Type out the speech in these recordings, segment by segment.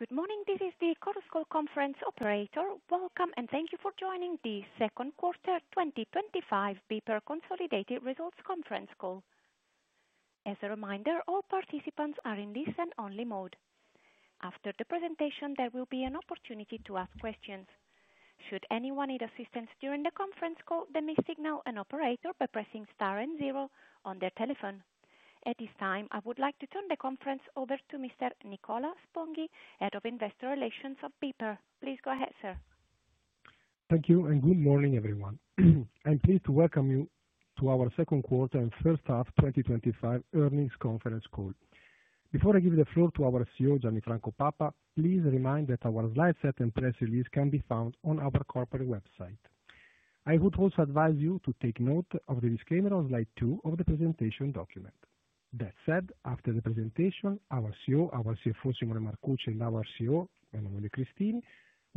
Good morning, this is the Cortosco Conference operator. Welcome and thank you for joining the second quarter 2025 BPER Consolidated Results Conference call. As a reminder, all participants are in listen-only mode. After the presentation, there will be an opportunity to ask questions. Should anyone need assistance during the conference call, they may signal an operator by pressing star and zero on their telephone. At this time, I would like to turn the conference over to Mr. Nicola Sponghi, Head of Investor Relations of BPER. Please go ahead, sir. Thank you and good morning, everyone. I'm pleased to welcome you to our second quarter and first half 2025 earnings conference call. Before I give the floor to our CEO, Gianni Franco Papa, please be reminded that our slide set and press release can be found on our corporate website. I would also advise you to take note of the disclaimer on slide two of the presentation document. That said, after the presentation, our CEO, our CFO, Simone Marcucci, and our Head of Investor Relations,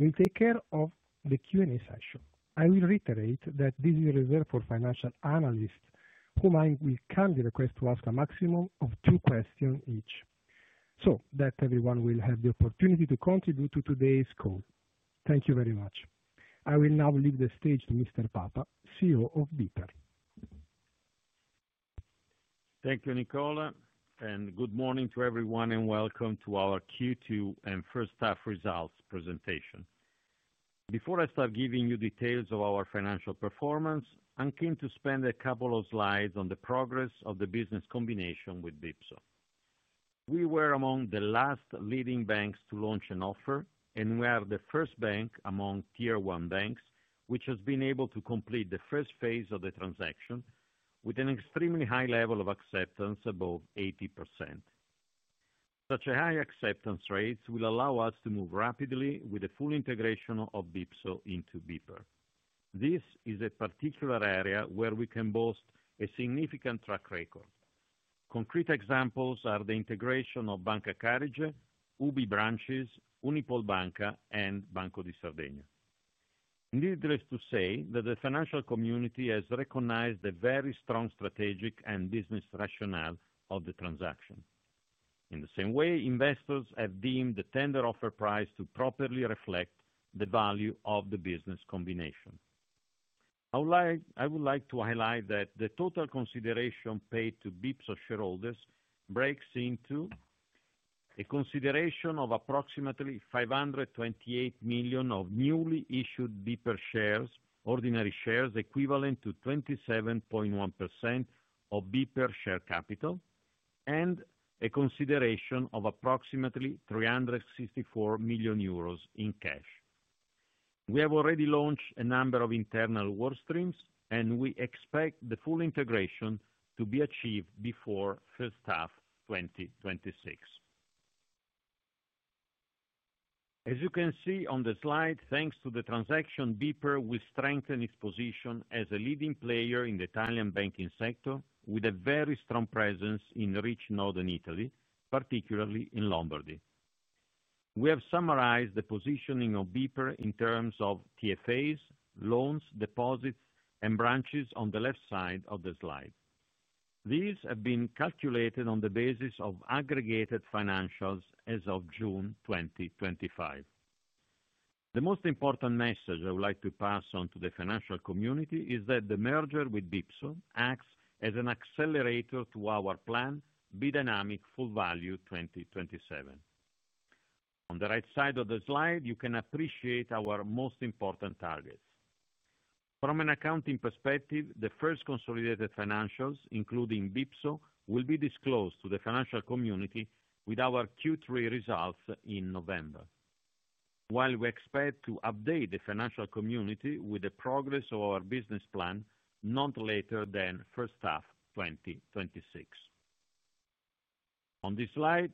Nicola Sponghi, will take care of the Q&A session. I will reiterate that this is reserved for financial analysts, whom we kindly request to ask a maximum of two questions each, so that everyone will have the opportunity to contribute to today's call. Thank you very much. I will now leave the stage to Mr. Papa, CEO of BPER. Thank you, Nicola, and good morning to everyone and welcome to our Q2 and first half results presentation. Before I start giving you details of our financial performance, I'm keen to spend a couple of slides on the progress of the business combination with BPSO. We were among the last leading banks to launch an offer, and we are the first bank among tier one banks which has been able to complete the first phase of the transaction with an extremely high level of acceptance above 80%. Such a high acceptance rate will allow us to move rapidly with the full integration of BPSO into BPER. This is a particular area where we can boast a significant track record. Concrete examples are the integration of Banca Carige, UBI branches, Unipol Banca, and Banco di Sardegna. Needless to say, the financial community has recognized the very strong strategic and business rationale of the transaction. In the same way, investors have deemed the tender offer price to properly reflect the value of the business combination. I would like to highlight that the total consideration paid to BPSO shareholders breaks into a consideration of approximately 528 million of newly issued BPER shares, ordinary shares equivalent to 27.1% of BPER share capital, and a consideration of approximately 364 million euros in cash. We have already launched a number of internal work streams, and we expect the full integration to be achieved before first half 2026. As you can see on the slide, thanks to the transaction, BPER will strengthen its position as a leading player in the Italian banking sector with a very strong presence in rich northern Italy, particularly in Lombardy. We have summarized the positioning of BPER in terms of TFAs, loans, deposits, and branches on the left side of the slide. These have been calculated on the basis of aggregated financials as of June 2025. The most important message I would like to pass on to the financial community is that the merger with BPSO acts as an accelerator to our plan, B:Dynamic | Full Value 2027. On the right side of the slide, you can appreciate our most important targets. From an accounting perspective, the first consolidated financials, including BPSO, will be disclosed to the financial community with our Q3 results in November. While we expect to update the financial community with the progress of our business plan, not later than first half 2026. On this slide,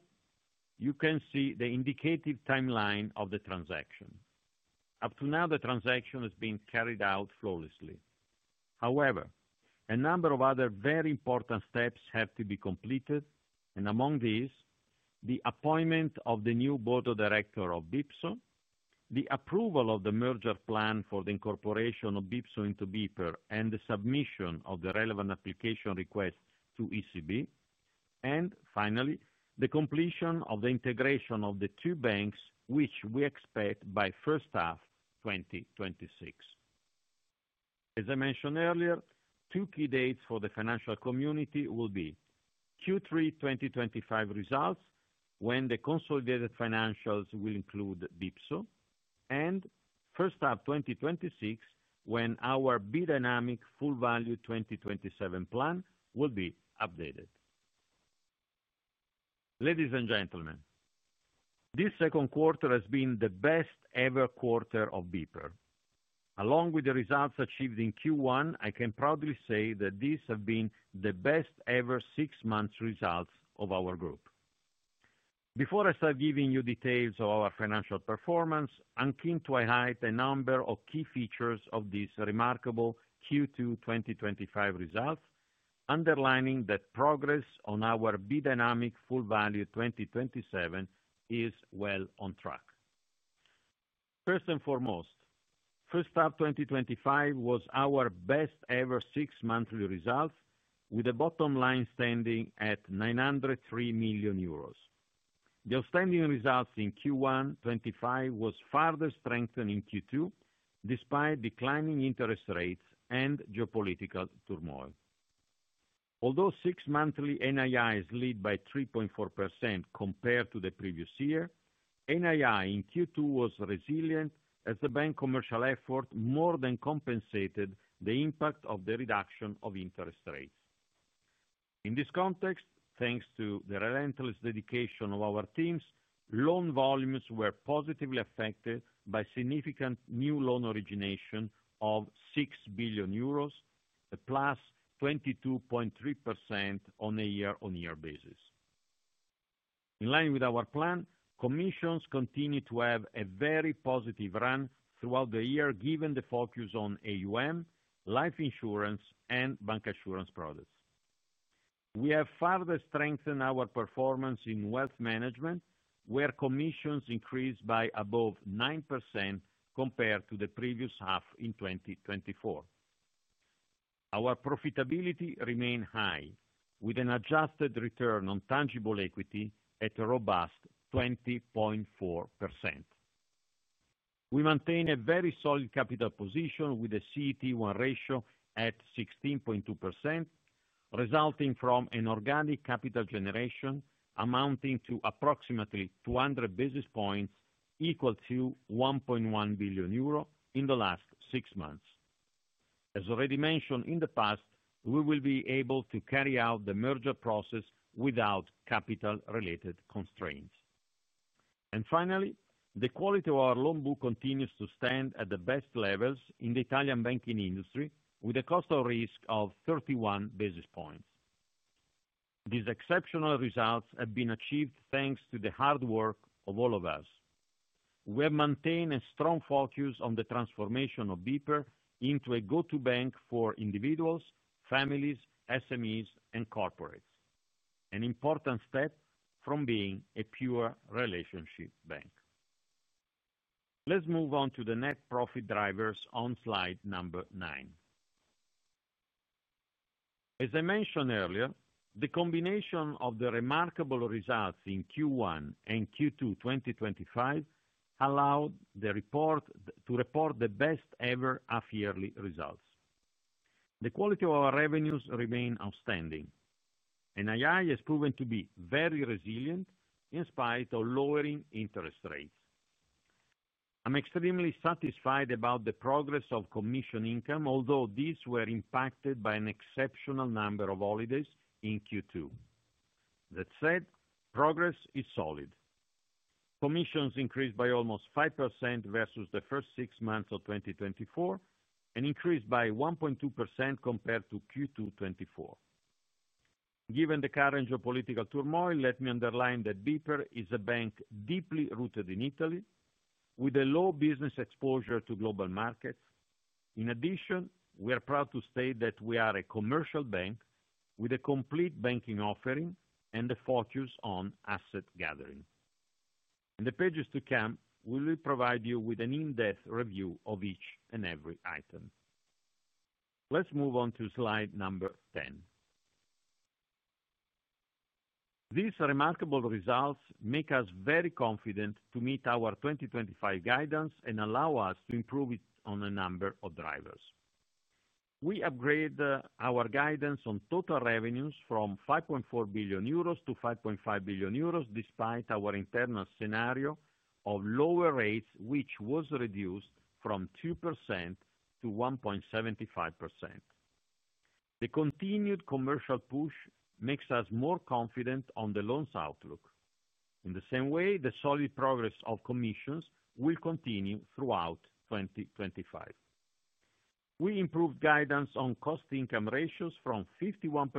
you can see the indicative timeline of the transaction. Up to now, the transaction has been carried out flawlessly. However, a number of other very important steps have to be completed, and among these, the appointment of the new Board of Directors of BPSO, the approval of the merger plan for of BPSO into BPER, and the submission of the relevant application request to ECB, and finally, the completion of the integration of the two banks, which we expect by first half 2026. As I mentioned earlier, two key dates for the financial community will be Q3 2025 results, when the consolidated include BPSO, and first half 2026, when our B:Dynamic | Full Value 2027 plan will be updated. Ladies and gentlemen, this second quarter has been the best ever quarter of BPER. Along with the results achieved in Q1, I can proudly say that these have been the best ever six months' results of our group. Before I start giving you details of our financial performance, I'm keen to highlight a number of key features of these remarkable Q2 2025 results, underlining that progress on our B:Dynamic | Full Value 2027 is well on track. First and foremost, first half 2025 was our best ever six-monthly results, with the bottom line standing at 903 million euros. The outstanding results in Q1 2025 were further strengthened in Q2, despite declining interest rates and geopolitical turmoil. Although six-monthly NII is led by 3.4% compared to the previous year, NII in Q2 was resilient as the bank commercial effort more than compensated the impact of the reduction of interest rates. In this context, thanks to the relentless dedication of our teams, loan volumes were positively affected by significant new loan origination of 6 billion euros, +22.3% on a year-on-year basis. In line with our plan, commissions continue to have a very positive run throughout the year, given the focus on AUM, life insurance, and bancassurance products. We have further strengthened our performance in wealth management, where commissions increased by above 9% compared to the previous half in 2024. Our profitability remained high, with an adjusted return on tangible equity at a robust 20.4%. We maintain a very solid capital position with a CET1 ratio at 16.2%, resulting from an organic capital generation amounting to approximately 200 basis points, equal to 1.1 billion euro in the last six months. As already mentioned in the past, we will be able to carry out the merger process without capital-related constraints. Finally, the quality of our loan book continues to stand at the best levels in the Italian banking industry, with a cost of risk of 31 basis points. These exceptional results have been achieved thanks to the hard work of all of us. We have maintained a strong focus on the transformation of BPER into a go-to bank for individuals, families, SMEs, and corporates, an important step from being a pure relationship bank. Let's move on to the net profit drivers on slide number nine. As I mentioned earlier, the combination of the remarkable results in Q1 and Q2 2025 allowed the report to report the best ever half-yearly results. The quality of our revenues remained outstanding. NII has proven to be very resilient in spite of lowering interest rates. I'm extremely satisfied about the progress of commission income, although these were impacted by an exceptional number of holidays in Q2. That said, progress is solid. Commissions increased by almost 5% versus the first six months of 2024 and increased by 1.2% compared to Q2 2024. Given the current geopolitical turmoil, let me underline that BPER is a bank deeply rooted in Italy, with a low business exposure to global markets. In addition, we are proud to state that we are a commercial bank with a complete banking offering and a focus on asset gathering. In the pages to come, we will provide you with an in-depth review of each and every item. Let's move on to slide number 10. These remarkable results make us very confident to meet our 2025 guidance and allow us to improve it on a number of drivers. We upgraded our guidance on total revenues from 5.4 billion euros to 5.5 billion euros, despite our internal scenario of lower rates, which was reduced from 2% to 1.75%. The continued commercial push makes us more confident on the loans outlook. In the same way, the solid progress of commissions will continue throughout 2025. We improved guidance on cost/income ratios from 51%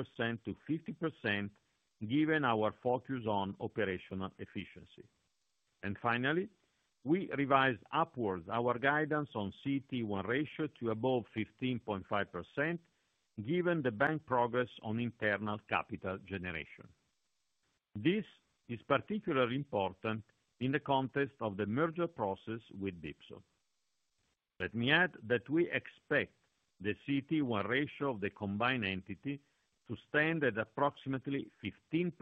to 50%, given our focus on operational efficiency. Finally, we revised upwards our guidance on CET1 ratio to above 15.5%, given the bank's progress on internal capital generation. This is particularly important in the context of the with BPSO. Let me add that we expect the CET1 ratio of the combined entity to stand at approximately 15%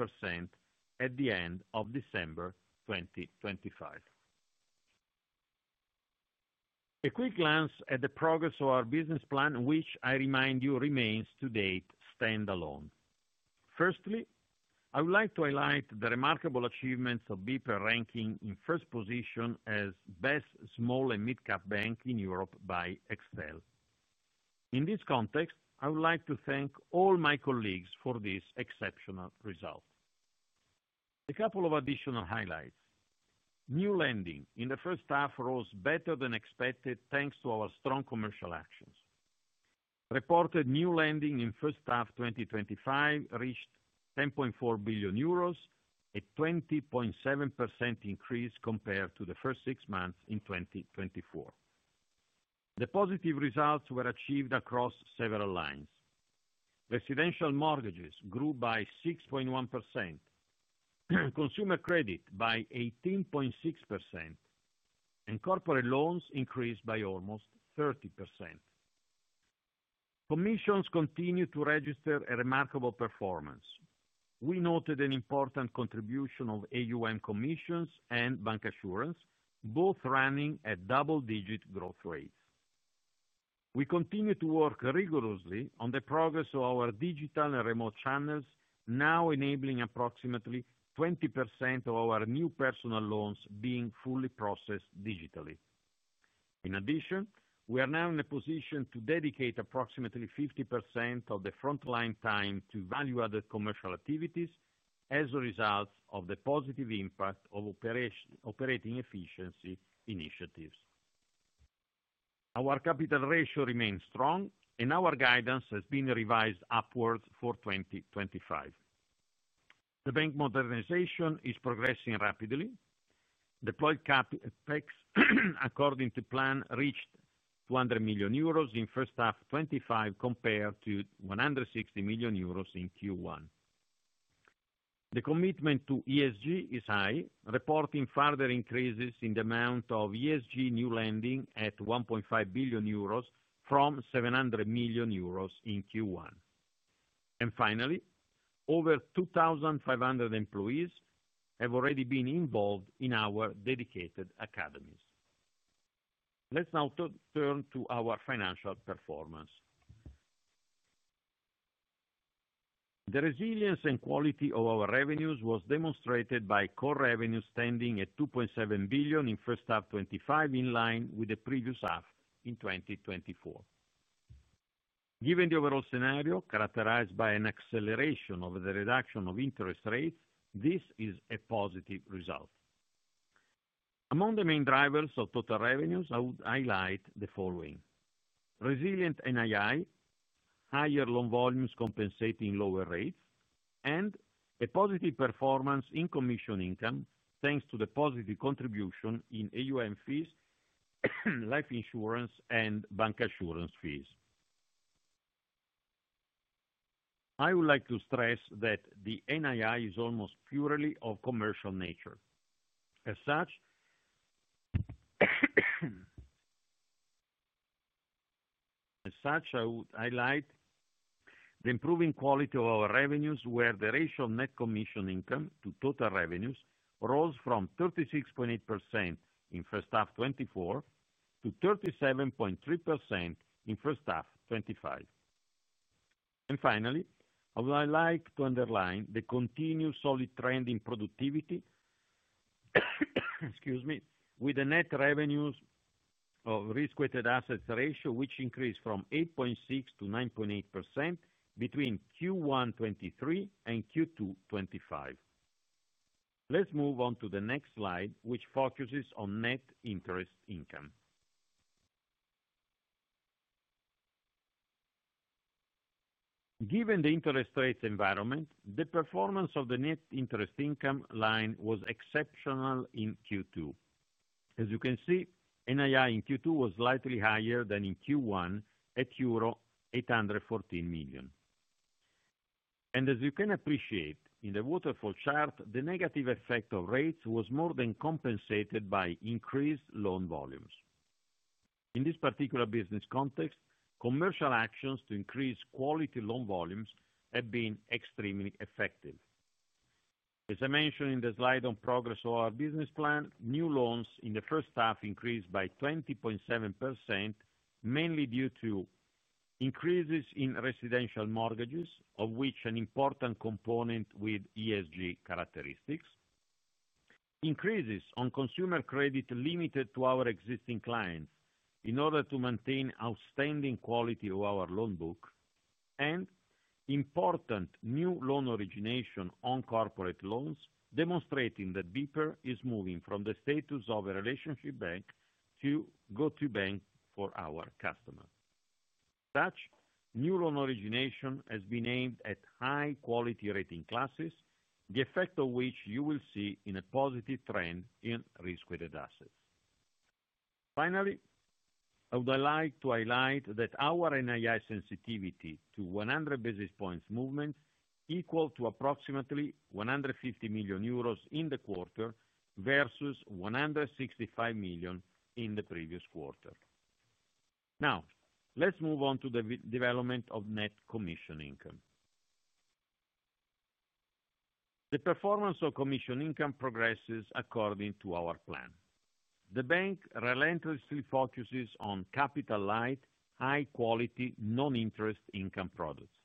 at the end of December, 2025. A quick glance at the progress of our business plan, which I remind you remains to date standalone. Firstly, I would like to highlight the remarkable achievements of BPER ranking in first position as the best small and mid-cap bank in Europe by Extel. In this context, I would like to thank all my colleagues for this exceptional result. A couple of additional highlights. New lending in the first half rose better than expected, thanks to our strong commercial actions. Reported new lending in first half 2025 reached 10.4 billion euros, a 20.7% increase compared to the first six months in 2024. The positive results were achieved across several lines. Residential mortgages grew by 6.1%, consumer credit by 18.6%, and corporate loans increased by almost 30%. Commissions continue to register a remarkable performance. We noted an important contribution of AUM commissions and bancassurance products, both running at double-digit growth rates. We continue to work rigorously on the progress of our digital and remote channels, now enabling approximately 20% of our new personal loans being fully processed digitally. In addition, we are now in a position to dedicate approximately 50% of the frontline time to value-added commercial activities as a result of the positive impact of operating efficiency initiatives. Our capital ratio remains strong, and our guidance has been revised upwards for 2025. The bank modernization is progressing rapidly. Deployed CapEx, according to plan, reached 200 million euros in first half 2025 compared to 160 million euros in Q1. The commitment to ESG is high, reporting further increases in the amount of ESG new lending at 1.5 billion euros from 700 million euros in Q1. Finally, over 2,500 employees have already been involved in our dedicated academies. Let's now turn to our financial performance. The resilience and quality of our revenues were demonstrated by core revenues standing at 2.7 billion in first half 2025, in line with the previous half in 2024. Given the overall scenario characterized by an acceleration of the reduction of interest rates, this is a positive result. Among the main drivers of total revenues, I would highlight the following: resilient NII, higher loan volumes compensating lower rates, and a positive performance in commission income, thanks to the positive contribution in AUM fees, life insurance, and bancassurance products fees. I would like to stress that the NII is almost purely of commercial nature. As such, I would highlight the improving quality of our revenues, where the ratio of net commission income to total revenues rose from 36.8% in first half 2024 to 37.3% in first half 2025. Finally, I would like to underline the continued solid trend in productivity, with the net revenues of risk-weighted assets ratio, which increased from 8.6% to 9.8% between Q1 2023 and Q2 2025. Let's move on to the next slide, which focuses on net interest income. Given the interest rates environment, the performance of the net interest income line was exceptional in Q2. As you can see, NII in Q2 was slightly higher than in Q1 at euro 814 million. As you can appreciate in the waterfall chart, the negative effect of rates was more than compensated by increased loan volumes. In this particular business context, commercial actions to increase quality loan volumes have been extremely effective. As I mentioned in the slide on progress of our business plan, new loans in the first half increased by 20.7%, mainly due to increases in residential mortgages, of which an important component with ESG characteristics, increases on consumer credit limited to our existing clients in order to maintain outstanding quality of our loan book, and important new loan origination on corporate loans, demonstrating that BPER is moving from the status of a relationship bank to a go-to bank for our customers. Such new loan origination has been aimed at high-quality rating classes, the effect of which you will see in a positive trend in risk-weighted assets. Finally, I would like to highlight that our NII sensitivity to 100 basis points movement equaled to approximately 150 million euros in the quarter versus 165 million in the previous quarter. Now, let's move on to the development of net commission income. The performance of commission income progresses according to our plan. The bank relentlessly focuses on capital-light, high-quality, non-interest income products.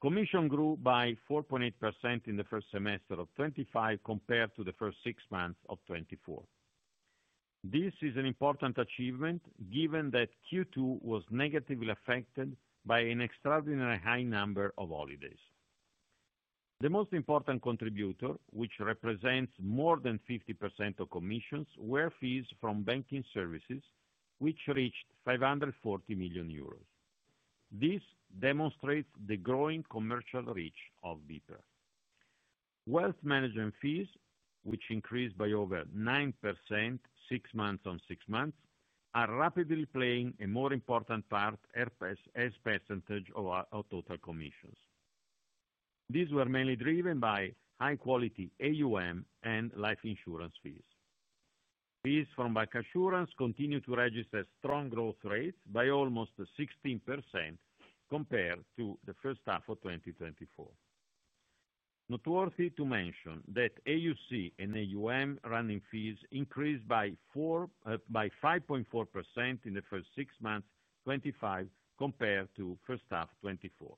Commission grew by 4.8% in the first semester of 2025 compared to the first six months of 2024. This is an important achievement given that Q2 was negatively affected by an extraordinarily high number of holidays. The most important contributor, which represents more than 50% of commissions, were fees from banking services, which reached 540 million euros. This demonstrates the growing commercial reach of BPER. Wealth management fees, which increased by over 9% six months on six months, are rapidly playing a more important part as a percentage of our total commissions. These were mainly driven by high-quality AUM and life insurance fees. Fees from bancassurance products continue to register strong growth rates by almost 16% compared to the first half of 2024. Noteworthy to mention that AUC and AUM running fees increased by 5.4% in the first six months of 2025 compared to the first half of 2024.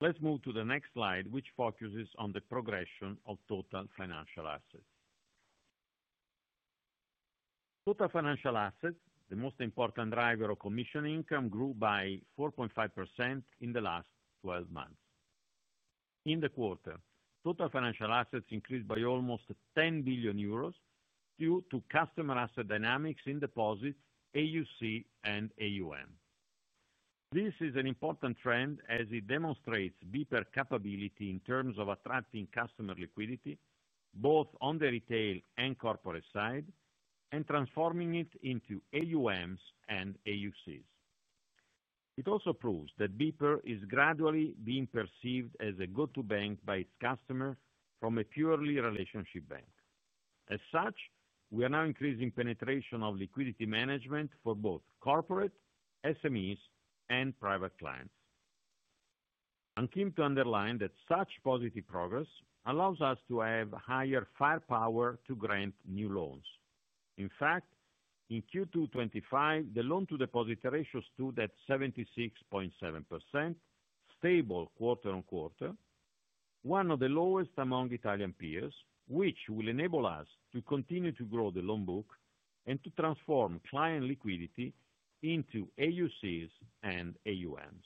Let's move to the next slide, which focuses on the progression of total financial assets. Total financial assets, the most important driver of commission income, grew by 4.5% in the last 12 months. In the quarter, total financial assets increased by almost 10 billion euros due to customer asset dynamics in deposits, AUC, and AUM. This is an important trend as it demonstrates BPER capability in terms of attracting customer liquidity, both on the retail and corporate side, and transforming it into AUMs and AUCs. It also proves that BPER is gradually being perceived as a go-to bank by its customers from a purely relationship bank. As such, we are now increasing the penetration of liquidity management for both corporate, SMEs, and private clients. I'm keen to underline that such positive progress allows us to have higher firepower to grant new loans. In fact, in Q2 2025, the loan-to-deposit ratio stood at 76.7%, stable quarter-on-quarter, one of the lowest among Italian peers, which will enable us to continue to grow the loan book and to transform client liquidity into AUCs and AUMs.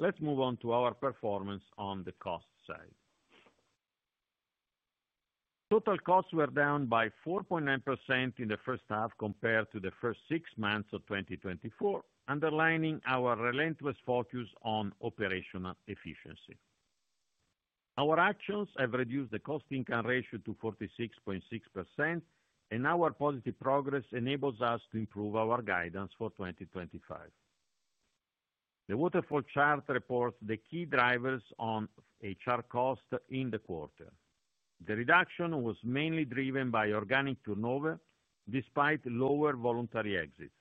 Let's move on to our performance on the cost side. Total costs were down by 4.9% in the first half compared to the first six months of 2024, underlining our relentless focus on operational efficiency. Our actions have reduced the cost/income ratio to 46.6%, and our positive progress enables us to improve our guidance for 2025. The waterfall chart reports the key drivers on HR costs in the quarter. The reduction was mainly driven by organic turnover, despite lower voluntary exits,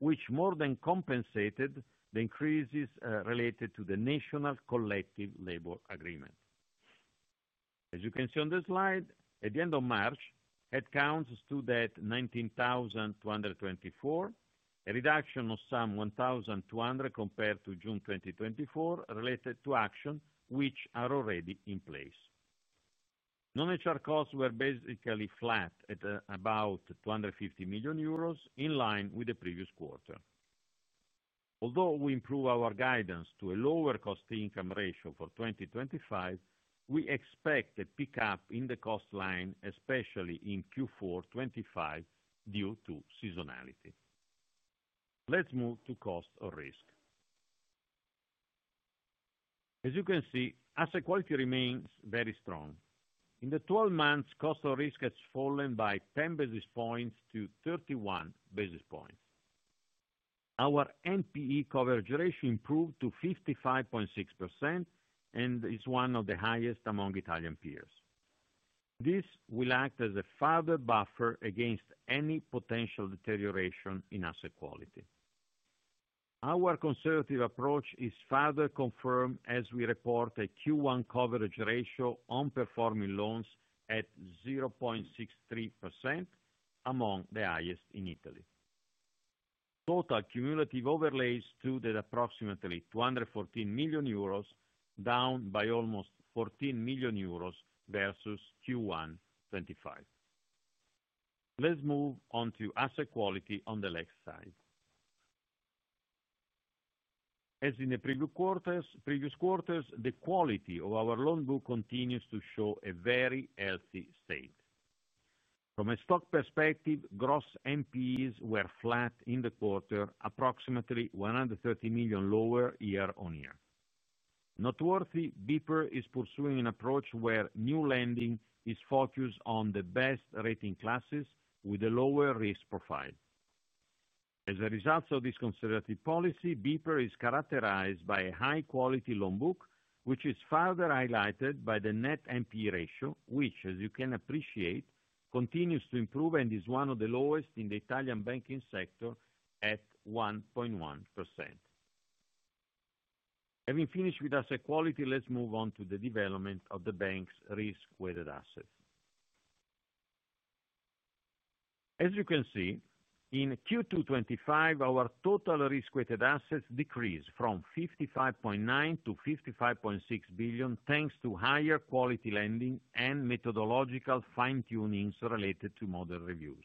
which more than compensated the increases related to the National Collective Labor Agreement. As you can see on the slide, at the end of March, headcounts stood at 19,224, a reduction of some 1,200 compared to June 2024, related to actions which are already in place. Non-HR costs were basically flat at about 250 million euros, in line with the previous quarter. Although we improved our guidance to a lower cost/income ratio for 2025, we expect a pickup in the cost line, especially in Q4 2025, due to seasonality. Let's move to cost of risk. As you can see, asset quality remains very strong. In the 12 months, cost of risk has fallen by 10 basis points to 31 basis points. Our NPE coverage ratio improved to 55.6% and is one of the highest among Italian peers. This will act as a further buffer against any potential deterioration in asset quality. Our conservative approach is further confirmed as we report a Q1 coverage ratio on performing loans at 0.63%, among the highest in Italy. Total cumulative overlays stood at approximately 214 million euros, down by almost 14 million euros versus Q1 2025. Let's move on to asset quality on the left side. As in the previous quarters, the quality of our loan book continues to show a very healthy state. From a stock perspective, gross NPEs were flat in the quarter, approximately 130 million lower year-on-year. Noteworthy, BPER is pursuing an approach where new lending is focused on the best rating classes with a lower risk profile. As a result of this conservative BPER is characterized by a high-quality loan book, which is further highlighted by the net NPE ratio, which, as you can appreciate, continues to improve and is one of the lowest in the Italian banking sector at 1.1%. Having finished with asset quality, let's move on to the development of the bank's risk-weighted assets. As you can see, in Q2 2025, our total risk-weighted assets decreased from 55.9 billion to 55.6 billion, thanks to higher quality lending and methodological fine-tunings related to model reviews.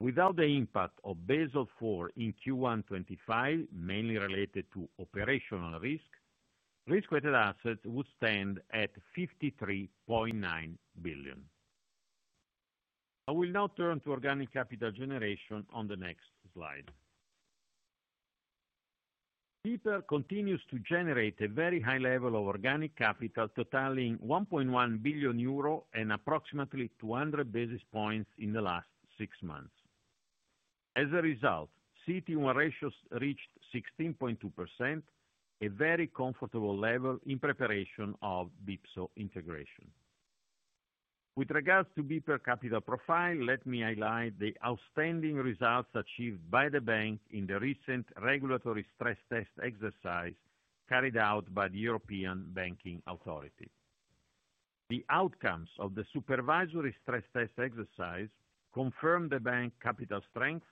Without the impact of Basel IV in Q1 2025, mainly related to operational risk, risk-weighted assets would stand at 53.9 billion. I will now turn to organic capital generation on the next BPER continues to generate a very high level of organic capital, totaling 1.1 billion euro and approximately 200 basis points in the last six months. As a result, CET1 ratios reached 16.2%, a very comfortable level of BPSO integration. With regards BPER capital profile, let me highlight the outstanding results achieved by the bank in the recent regulatory stress test exercise carried out by the European Banking Authority. The outcomes of the supervisory stress test exercise confirmed the bank's capital strength,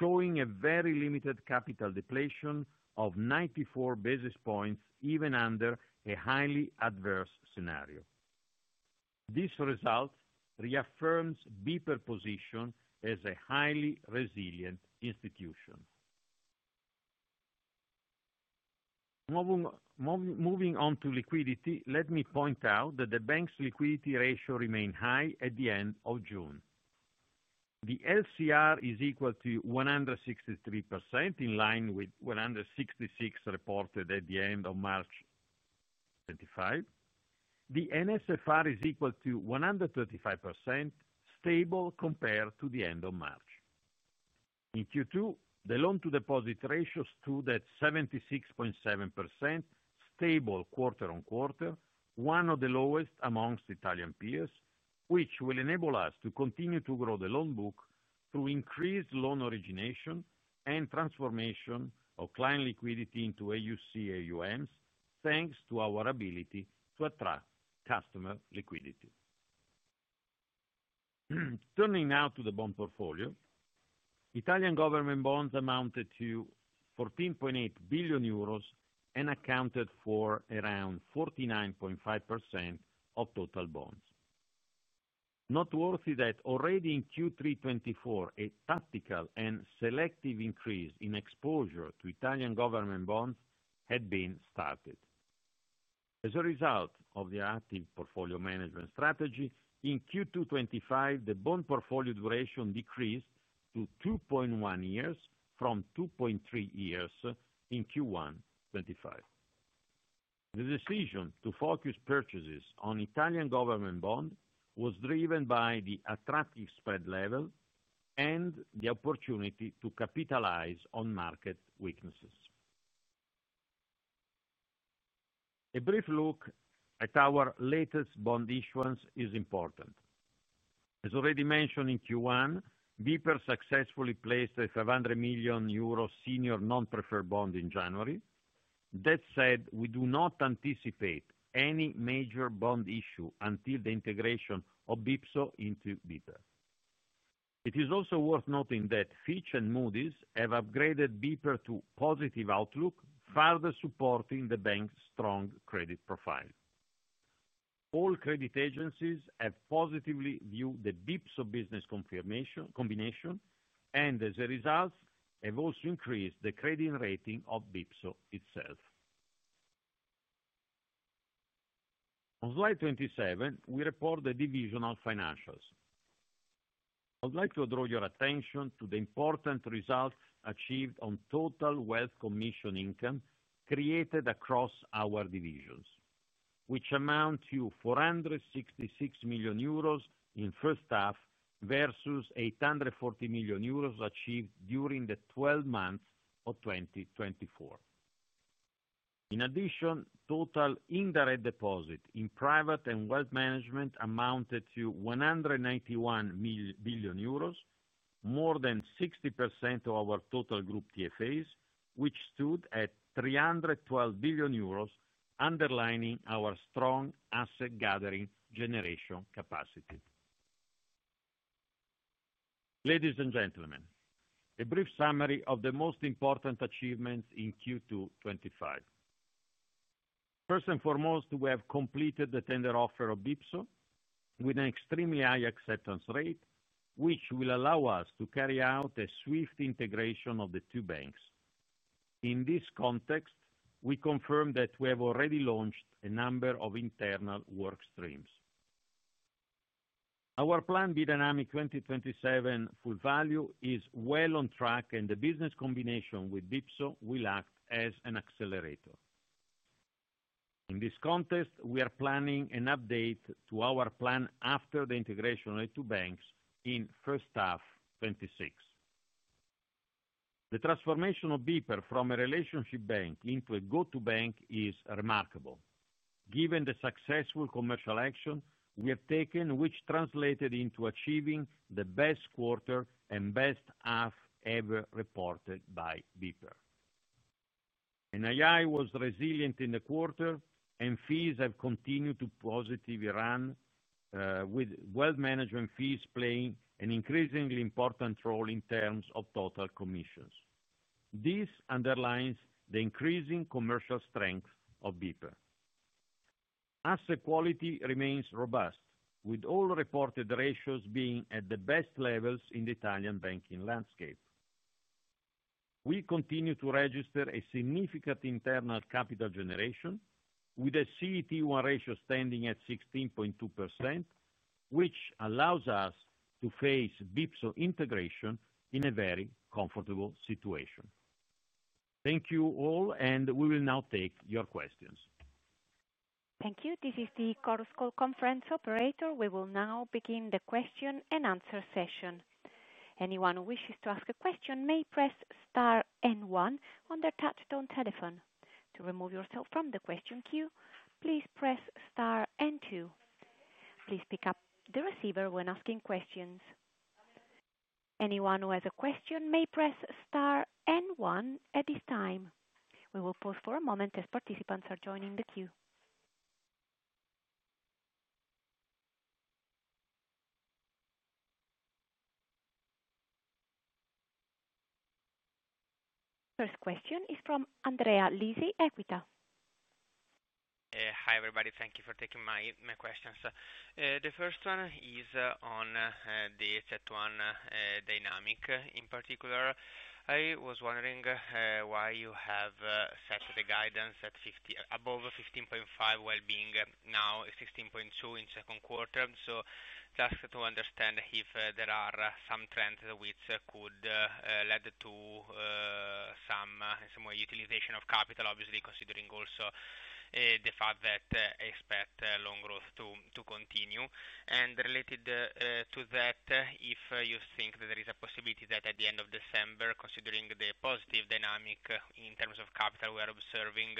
showing a very limited capital depletion of 94 basis points, even under a highly adverse scenario. This result reaffirms BPER's position as a highly resilient institution. Moving on to liquidity, let me point out that the bank's liquidity ratio remained high at the end of June. The LCR is equal to 163%, in line with 166% reported at the end of March 2024. The NSFR is equal to 135%, stable compared to the end of March. In Q2, the loan-to-deposit ratios stood at 76.7%, stable quarter-on-quarter, one of the lowest amongst Italian peers, which will enable us to continue to grow the loan book through increased loan origination and transformation of client liquidity into AUC and AUMs, thanks to our ability to attract customer liquidity. Turning now to the bond portfolio, Italian government bonds amounted to 14.8 billion euros and accounted for around 49.5% of total bonds. Noteworthy that already in Q3 2024, a tactical and selective increase in exposure to Italian government bonds had been started. As a result of the active portfolio management strategy, in Q2 2024, the bond portfolio duration decreased to 2.1 years from 2.3 years in Q1 2024. The decision to focus purchases on Italian government bonds was driven by the attractive spread level and the opportunity to capitalize on market weaknesses. A brief look at our latest bond issuance is important. As already mentioned in Q1, BPER successfully placed a 500 million euro senior non-preferred bond in January. That said, we do not anticipate any major bond issue until of BPSO into BPER. It is also worth noting that Fitch and Moody's have upgraded BPER to a positive outlook, further supporting the bank's strong credit profile. All credit agencies have the BPSO business combination, and as a result, have also increased the of BPSO itself. On slide 27, we report the divisional financials. I would like to draw your attention to the important result achieved on total wealth commission income created across our divisions, which amounts to 466 million euros in the first half versus 840 million euros achieved during the 12 months of 2024. In addition, total indirect deposits in private and wealth management amounted to 191 million euros, more than 60% of our total group TFAs, which stood at 312 billion euros, underlining our strong asset gathering generation capacity. Ladies and gentlemen, a brief summary of the most important achievements in Q2 2025. First and foremost, we have completed the of BPSO with an extremely high acceptance rate, which will allow us to carry out a swift integration of the two banks. In this context, we confirm that we have already launched a number of internal work streams. Our plan B:Dynamic | Full Value 2027 is well on track, and the with BPSO will act as an accelerator. In this context, we are planning an update to our plan after the integration of the two banks in the first half 2026. The transformation BPER from a relationship bank into a go-to bank is remarkable. Given the successful commercial action we have taken, which translated into achieving the best quarter and best half ever reported by BPER. NII was resilient in the quarter, and fees have continued to positively run, with wealth management fees playing an increasingly important role in terms of total commissions. This underlines the increasing commercial strength of BPER. Asset quality remains robust, with all reported ratios being at the best levels in the Italian banking landscape. We continue to register a significant internal capital generation, with a CET1 ratio standing at 16.2%, which allows face BPSO integration in a very comfortable situation. Thank you all, and we will now take your questions. Thank you. This is the Chorus Conference operator. We will now begin the question and answer session. Anyone who wishes to ask a question may press star star one on their touch-tone telephone. To remove yourself from the question queue, please press star star two. Please pick up the receiver when asking questions. Anyone who has a question may press star star one at this time. We will pause for a moment as participants are joining the queue. First question is from Andrea Lisi, Equita. Hi, everybody. Thank you for taking my questions. The first one is on the CET1 dynamic. In particular, I was wondering why you have set the guidance at above 15.5% while being now 16.2% in the second quarter. Just to understand if there are some trends which could lead to some, in some way, utilization of capital, obviously, considering also the fact that I expect loan growth to continue. Related to that, if you think that there is a possibility that at the end of December, considering the positive dynamic in terms of capital we are observing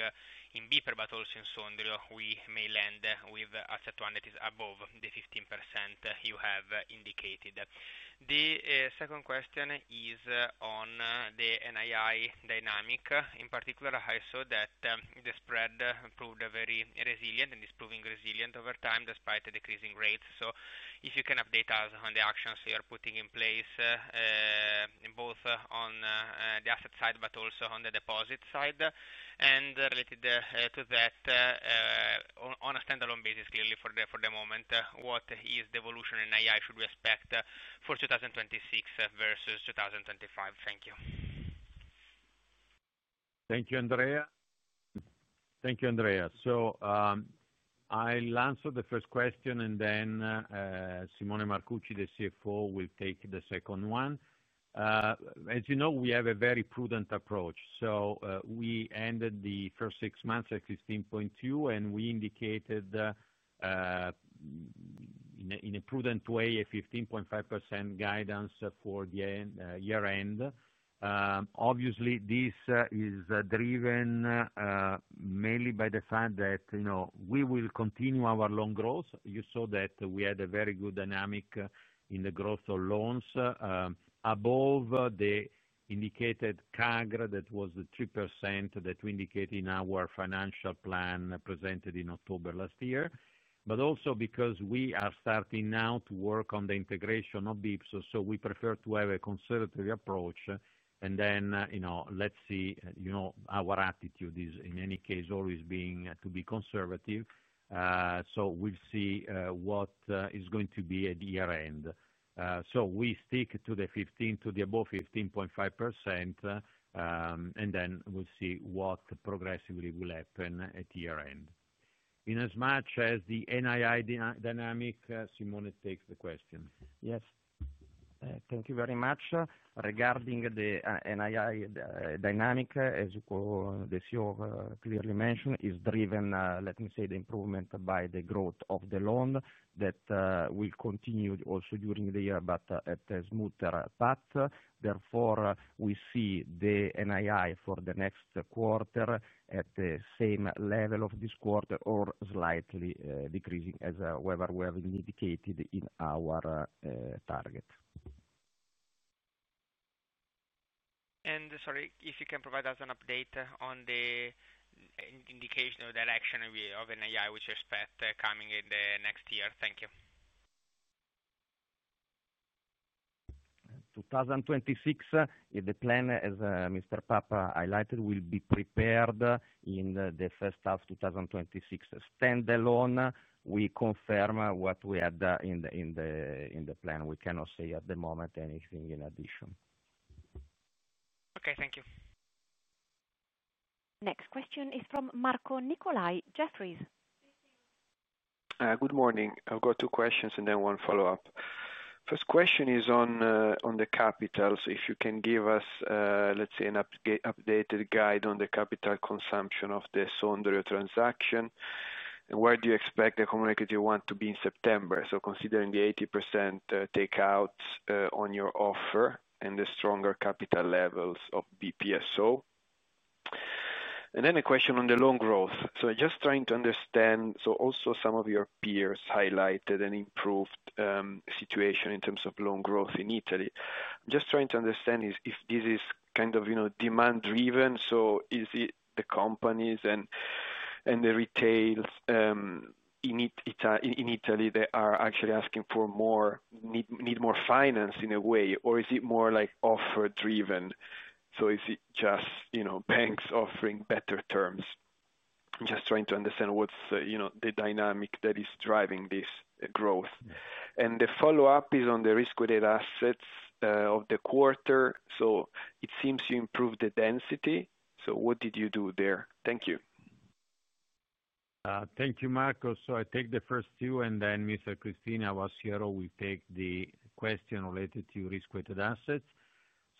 in BPER, but also in Sondrio, we may land with CET1 that is above the 15% you have indicated. The second question is on the NII dynamic. In particular, I saw that the spread proved very resilient and is proving resilient over time despite decreasing rates. If you can update us on the actions you are putting in place, both on the asset side but also on the deposit side, and related to that, on a standalone basis, clearly for the moment, what is the evolution in NII should we expect for 2026 versus 2025? Thank you. Thank you, Andrea. Thank you, Andrea. I'll answer the first question, and then Simone Marcucci, the CFO, will take the second one. As you know, we have a very prudent approach. We ended the first six months at 16.2%, and we indicated in a prudent way a 15.5% guidance for the year-end. Obviously, this is driven mainly by the fact that we will continue our loan growth. You saw that we had a very good dynamic in the growth of loans above the indicated CAGR that was 3% that we indicated in our financial plan presented in October last year, also because we are starting now to work on the integration of BPSO. We prefer to have a conservative approach. Our attitude is in any case always being to be conservative. We'll see what is going to be at year-end. We stick to the above 15.5%, and we'll see what progressively will happen at year-end. In as much as the NII dynamic, Simone takes the question. Yes. Thank you very much. Regarding the NII dynamic, as you clearly mentioned, it's driven, let me say, the improvement by the growth of the loan that will continue also during the year, but at a smoother path. Therefore, we see the NII for the next quarter at the same level of this quarter or slightly decreasing as we have indicated in our target. Sorry, if you can provide us an update on the indication or direction of NII, which you expect coming in the next year. Thank you. 2026, the plan, as Mr. Papa highlighted, will be prepared in the first half of 2026. Standalone, we confirm what we had in the plan. We cannot say at the moment anything in addition. Okay, thank you. Next question is from Marco Nicolai, Jefferies. Good morning. I've got two questions and then one follow-up. First question is on the capitals. If you can give us, let's say, an updated guide on the capital consumption of the Sondrio transaction, and where do you expect the CET1 ratio to want to be in September? Considering the 80% takeout on your offer and the stronger capital BPSO. then a question on the loan growth. I'm just trying to understand, some of your peers highlighted an improved situation in terms of loan growth in Italy. I'm just trying to understand if this is kind of demand-driven. Is it the companies and the retail in Italy that are actually asking for more, need more finance in a way, or is it more like offer-driven? Is it just banks offering better terms? I'm just trying to understand what's the dynamic that is driving this growth. The follow-up is on the risk-weighted assets of the quarter. It seems you improved the density. What did you do there? Thank you. Thank you, Marco. I take the first two, and then Mr. Cristini, our CRO, will take the question related to risk-weighted assets.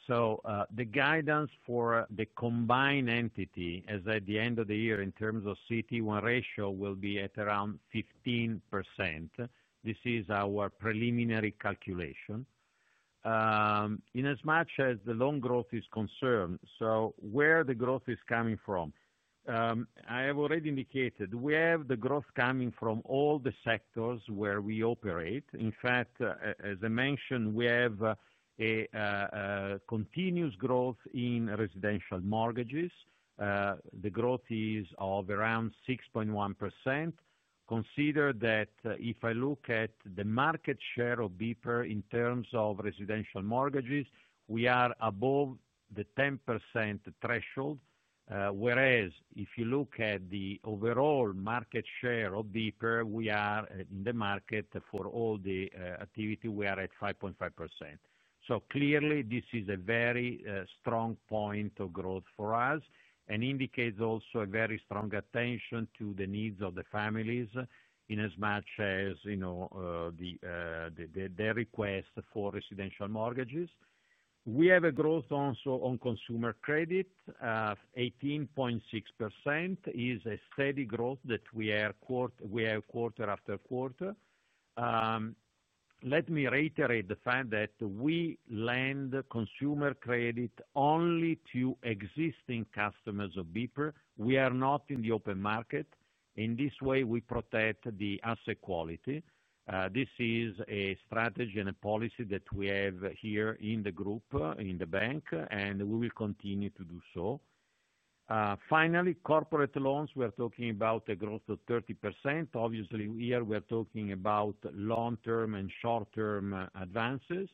The guidance for the combined entity as at the end of the year in terms of CET1 ratio will be at around 15%. This is our preliminary calculation. In as much as the loan growth is concerned, where the growth is coming from, I have already indicated we have the growth coming from all the sectors where we operate. In fact, as I mentioned, we have a continuous growth in residential mortgages. The growth is of around 6.1%. Consider that if I look at the market share of BPER in terms of residential mortgages, we are above the 10% threshold, whereas if you look at the overall market share of BPER, we are in the market for all the activity, we are at 5.5%. This is a very strong point of growth for us and indicates also a very strong attention to the needs of the families in as much as their request for residential mortgages. We have a growth also on consumer credit. 18.6% is a steady growth that we have quarter after quarter. Let me reiterate the fact that we lend consumer credit only to existing customers of BPER. We are not in the open market. In this way, we protect the asset quality. This is a strategy and a policy that we have here in the group, in the bank, and we will continue to do so. Finally, corporate loans, we're talking about a growth of 30%. Obviously, here we're talking about long-term and short-term advances.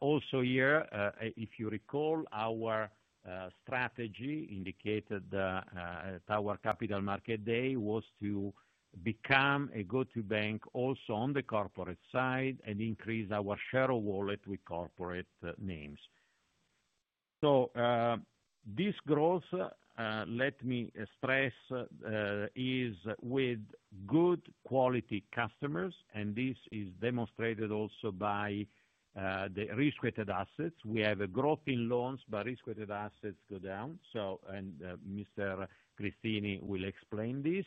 Also here, if you recall, our strategy indicated at our Capital Market Day was to become a go-to bank also on the corporate side and increase our share of wallet with corporate names. This growth, let me stress, is with good quality customers, and this is demonstrated also by the risk-weighted assets. We have a growth in loans, but risk-weighted assets go down. Mr. Cristini will explain this.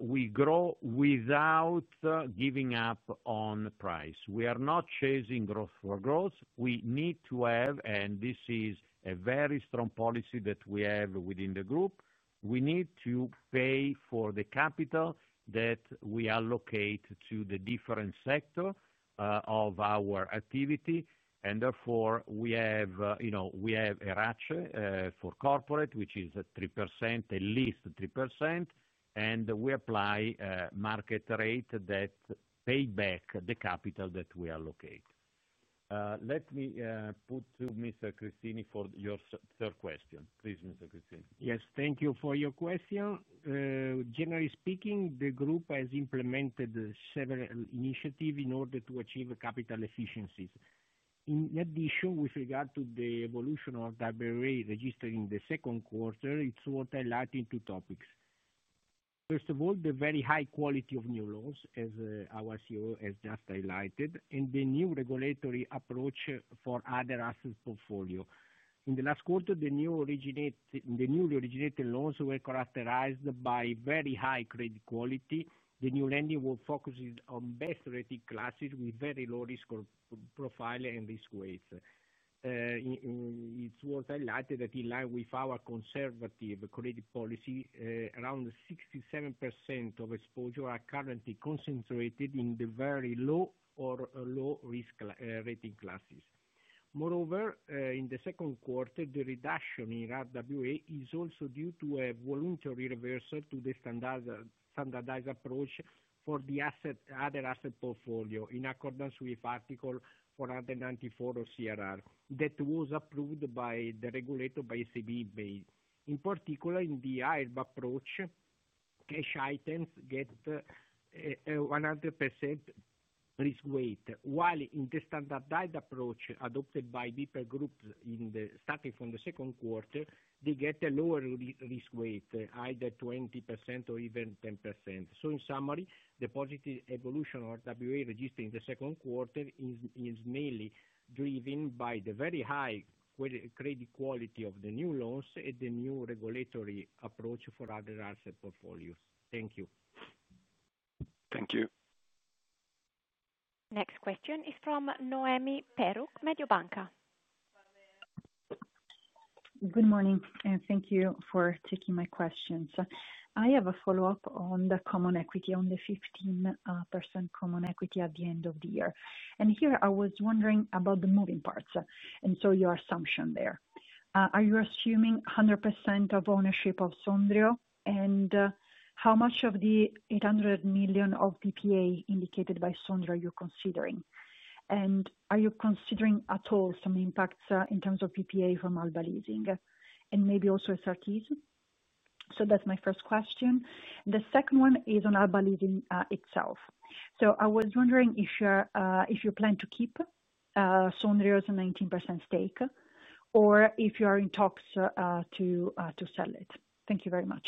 We grow without giving up on price. We are not chasing growth for growth. We need to have, and this is a very strong policy that we have within the group, we need to pay for the capital that we allocate to the different sectors of our activity. Therefore, we have a ratio for corporate, which is 3%, at least 3%, and we apply a market rate that pays back the capital that we allocate. Let me put to Mr. Cristini for your third question. Please, Mr. Cristini. Yes, thank you for your question. Generally speaking, the group has implemented several initiatives in order to achieve capital efficiencies. In addition, with regard to the evolution of the RWA registered in the second quarter, it's worth highlighting two topics. First of all, the very high quality of new loans, as our CEO has just highlighted, and the new regulatory approach for other assets portfolio. In the last quarter, the newly originated loans were characterized by very high credit quality. The new lending will focus on best rated classes with very low risk profile and risk weights. It's worth highlighting that in line with our conservative credit policy, around 67% of exposure are currently concentrated in the very low or low risk rating classes. Moreover, in the second quarter, the reduction in RWA is also due to a voluntary reversal to the standardized approach for the other asset portfolio in accordance with Article 494 of CRR that was approved by the regulator by ECB. In particular, in the IRB approach, cash items get a 100% risk weight, while in the standardized approach adopted BPER group starting from the second quarter, they get a lower risk weight, either 20% or even 10%. In summary, the positive evolution of RWA registered in the second quarter is mainly driven by the very high credit quality of the new loans and the new regulatory approach for other asset portfolios. Thank you. Thank you. Next question is from Noemi Peruch, Mediobanca. Good morning, and thank you for taking my question. I have a follow-up on the common equity, on the 15% common equity at the end of the year. Here I was wondering about the moving parts and your assumption there. Are you assuming 100% of ownership of Sondrio? How much of the 800 million of PPA indicated by Sondrio are you considering? Are you considering at all some impacts in terms of PPA from Alba Leasing and maybe also SRTs? That's my first question. The second one is on Alba Leasing itself. I was wondering if you plan to keep Sondrio's 19% stake or if you are in talks to sell it. Thank you very much.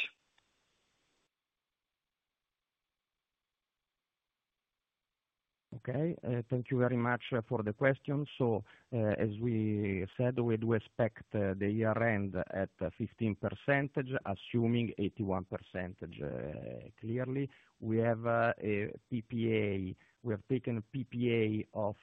Okay. Thank you very much for the question. As we said, we do expect the year-end at 15%, assuming 81% clearly. We have a PPA. We have taken PPA off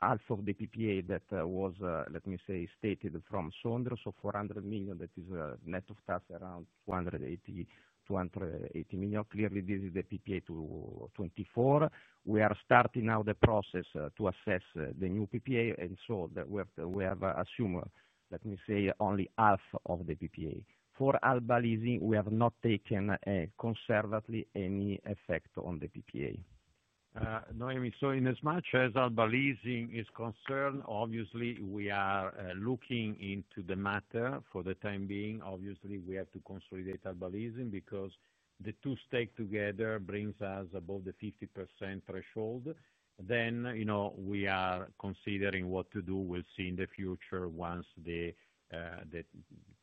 half of the PPA that was, let me say, stated from Sondrio. $400 million, that is net of tax around $280 million. Clearly, this is the PPA to 2024. We are starting now the process to assess the new PPA. We have assumed, let me say, only half of the PPA. For Alba Leasing, we have not taken conservatively any effect on the PPA. Noemi, in as much as Alba Leasing is concerned, obviously, we are looking into the matter for the time being. Obviously, we have to consolidate Alba Leasing because the two stakes together bring us above the 50% threshold. We are considering what to do. We'll see in the future once the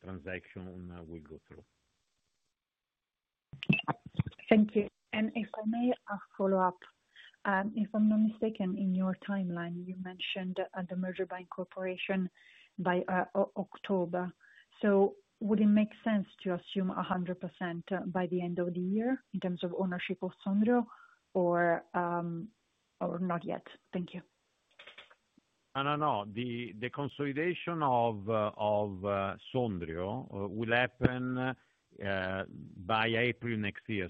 transaction will go through. Thank you. If I may follow up, if I'm not mistaken, in your timeline, you mentioned the merger by incorporation by October. Would it make sense to assume 100% by the end of the year in terms of ownership of Sondrio or not yet? Thank you. The consolidation of Sondrio will happen by April next year.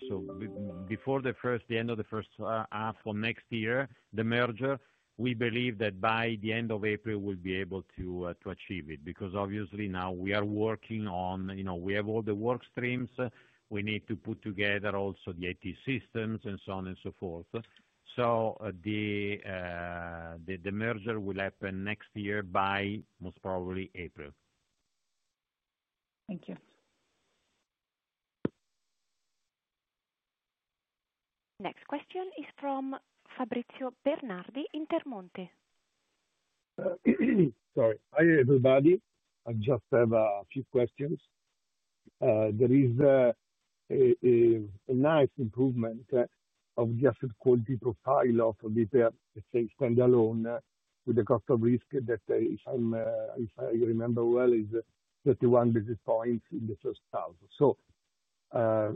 Before the end of the first half of next year, the merger, we believe that by the end of April, we'll be able to achieve it because obviously now we are working on, you know, we have all the work streams. We need to put together also the IT systems and so on and so forth. The merger will happen next year by most probably April. Thank you. Next question is from Fabrizio Bernardi, Intermonte. Hi everybody. I just have a few questions. There is a nice improvement of the asset quality profile of BPER, let's say, standalone with the cost of risk that, if I remember well, is 31 basis points in the first half. Your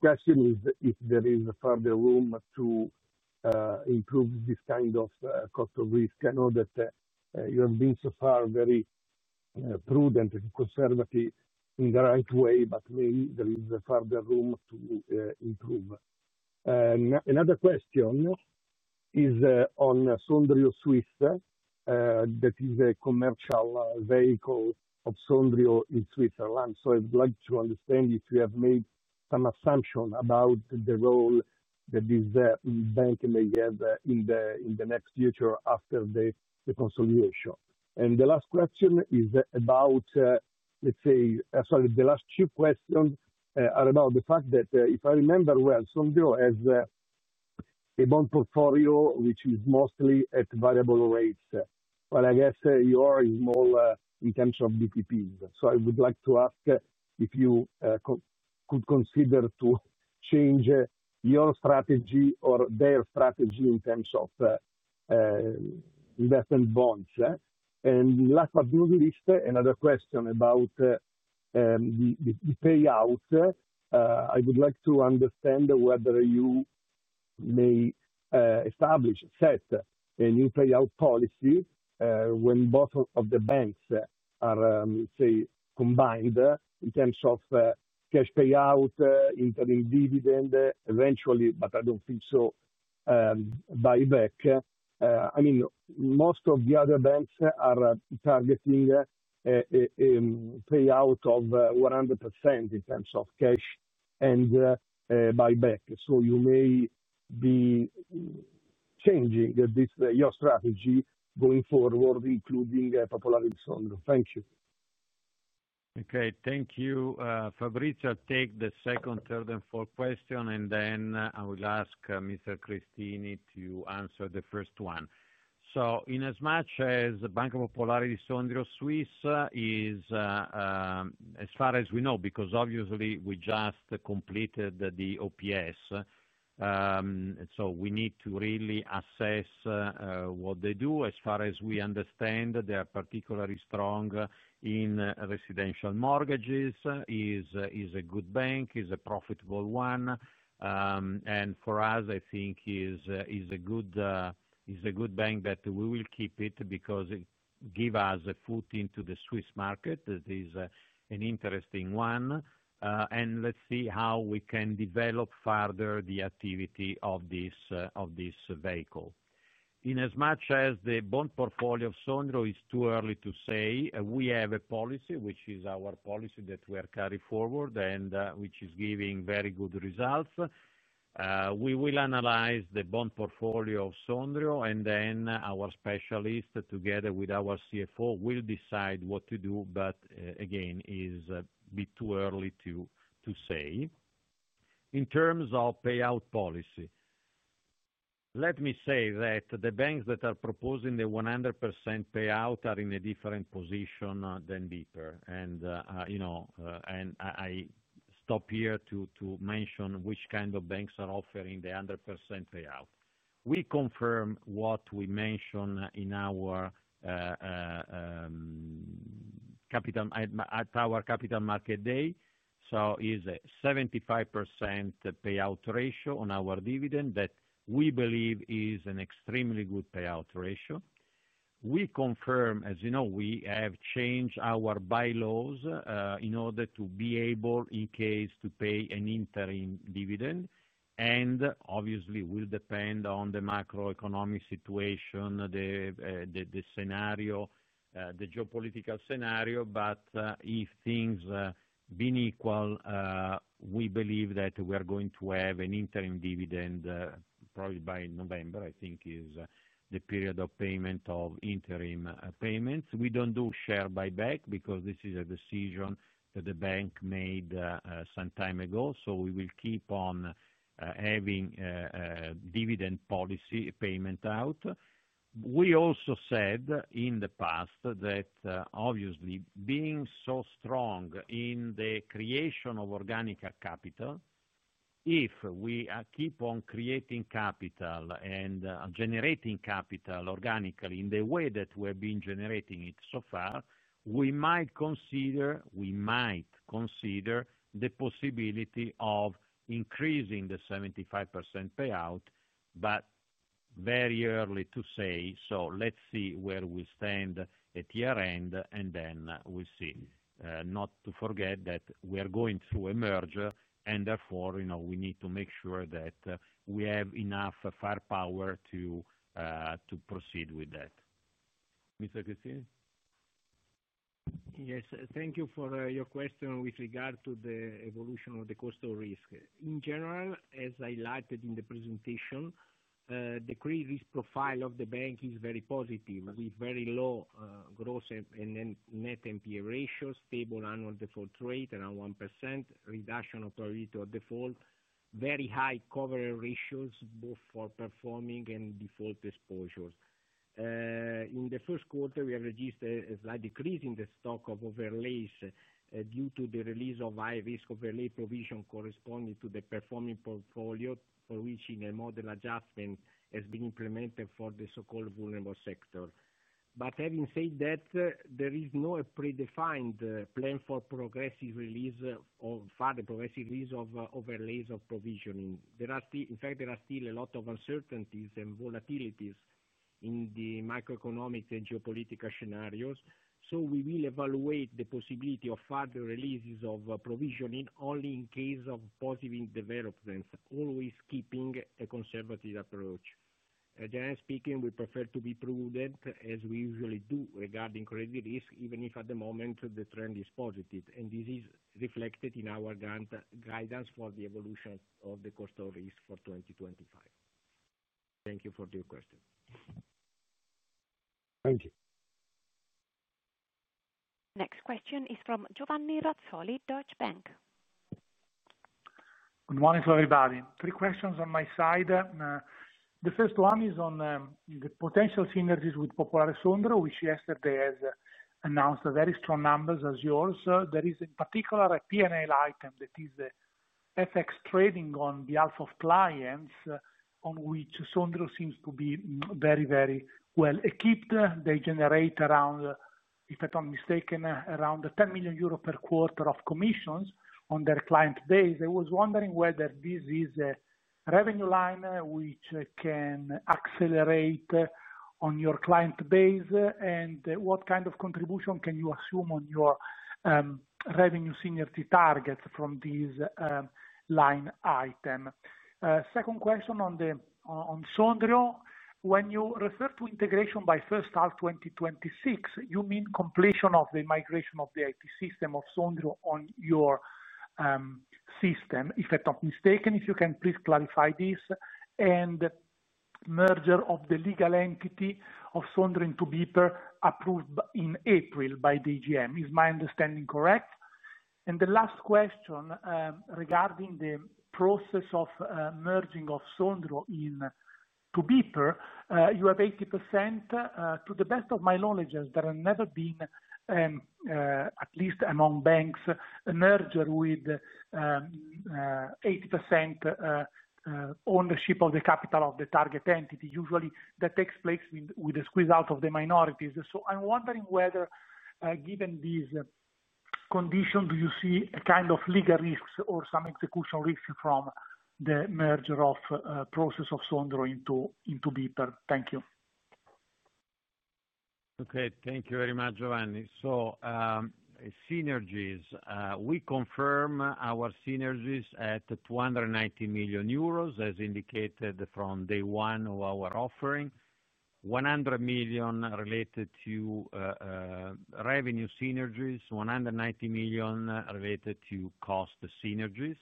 question is if there is further room to improve this kind of cost of risk. I know that you have been so far very prudent and conservative in the right way, but maybe there is further room to improve. Another question is on Sondrio Swiss. That is a commercial vehicle of Sondrio in Switzerland. I'd like to understand if you have made some assumption about the role that this bank may have in the next future after the consolidation. The last question is about, let's say, sorry, the last two questions are about the fact that, if I remember well, Sondrio has a bond portfolio which is mostly at variable rates. I guess yours is more in terms of BPER. I would like to ask if you could consider to change your strategy or their strategy in terms of investment bonds. Last but not least, another question about the payout. I would like to understand whether you may establish, set, a new payout policy when both of the banks are, let's say, combined in terms of cash payout, interim dividend, eventually, but I don't think so, buyback. I mean, most of the other banks are targeting a payout of 100% in terms of cash and buyback. You may be changing your strategy going BPSO. thank you. Okay. Thank you. Fabrizio, take the second, third, and fourth question, and then I will ask Mr. Cristini to answer the first one. In as much as Banca Popolare di Sondrio Swiss is, as far as we know, because obviously we just completed the OPS, we need to really assess what they do. As far as we understand, they are particularly strong in residential mortgages. It is a good bank. It is a profitable one. For us, I think it is a good bank that we will keep because it gives us a foot into the Swiss market. It is an interesting one. Let's see how we can develop further the activity of this vehicle. In as much as the bond portfolio of Sondrio, it is too early to say. We have a policy, which is our policy that we are carrying forward and which is giving very good results. We will analyze the bond portfolio of Sondrio, and then our specialist, together with our CFO, will decide what to do. Again, it is a bit too early to say. In terms of payout policy, let me say that the banks that are proposing the 100% payout are in a different position than BPER. I stop here to mention which kind of banks are offering the 100% payout. We confirm what we mentioned at our Capital Market Day. It is a 75% payout ratio on our dividend that we believe is an extremely good payout ratio. We confirm, as you know, we have changed our bylaws in order to be able, in case, to pay an interim dividend. Obviously, it will depend on the macroeconomic situation, the scenario, the geopolitical scenario. If things have been equal, we believe that we are going to have an interim dividend probably by November. I think it is the period of payment of interim payments. We don't do share buyback because this is a decision that the bank made some time ago. We will keep on having a dividend policy payment out. We also said in the past that obviously, being so strong in the creation of organic capital, if we keep on creating capital and generating capital organically in the way that we have been generating it so far, we might consider the possibility of increasing the 75% payout, but it is very early to say. Let's see where we stand at year-end, and then we'll see. Not to forget that we are going through a merger, and therefore, you know, we need to make sure that we have enough firepower to proceed with that. Mr. Cristini? Yes. Thank you for your question with regard to the evolution of the cost of risk. In general, as I highlighted in the presentation, the credit risk profile of the bank is very positive, with very low growth and net NPE ratio, stable annual default rate, around 1% reduction of per-year default, very high coverage ratios, both for performing and default exposures. In the first quarter, we have registered a slight decrease in the stock of overlays due to the release of high-risk overlay provision corresponding to the performing portfolio, for which a model adjustment has been implemented for the so-called vulnerable sector. Having said that, there is no predefined plan for progressive release or further progressive release of overlays of provisioning. There are still, in fact, a lot of uncertainties and volatilities in the macroeconomic and geopolitical scenarios. We will evaluate the possibility of further releases of provisioning only in case of positive developments, always keeping a conservative approach. Generally speaking, we prefer to be prudent, as we usually do, regarding credit risk, even if at the moment the trend is positive. This is reflected in our guidance for the evolution of the cost of risk for 2025. Thank you for your question. Thank you. Next question is from Giovanni Razzoli, Deutsche Bank. Good morning to everybody. Three questions on my side. The first one is on the potential Popolare di Sondrio, which yesterday has announced very strong numbers, as yours. There is in particular a P&L item that is the FX trading on behalf of clients, on which Sondrio seems to be very, very well equipped. They generate around, if I'm not mistaken, around 10 million euro per quarter of commissions on their client base. I was wondering whether this is a revenue line which can accelerate on your client base and what kind of contribution can you assume on your revenue synergy targets from this line item? Second question on Sondrio. When you refer to integration by first half 2026, you mean completion of the migration of the IT system of Sondrio on your system, if I'm not mistaken. If you can please clarify this. The merger of the legal entity of Sondrio into BPER approved in April by DGM. Is my understanding correct? The last question regarding the process of merging of Sondrio to BPER. You have 80%. To the best of my knowledge, there has never been, at least among banks, a merger with 80% ownership of the capital of the target entity. Usually, that takes place with the squeeze-out of the minorities. I'm wondering whether, given these conditions, do you see a kind of legal risks or some execution risks from the merger of the process of Sondrio into BPER? Thank you. Okay. Thank you very much, Giovanni. Synergies, we confirm our synergies at 290 million euros, as indicated from day one of our offering. 100 million related to revenue synergies, 190 million related to cost synergies.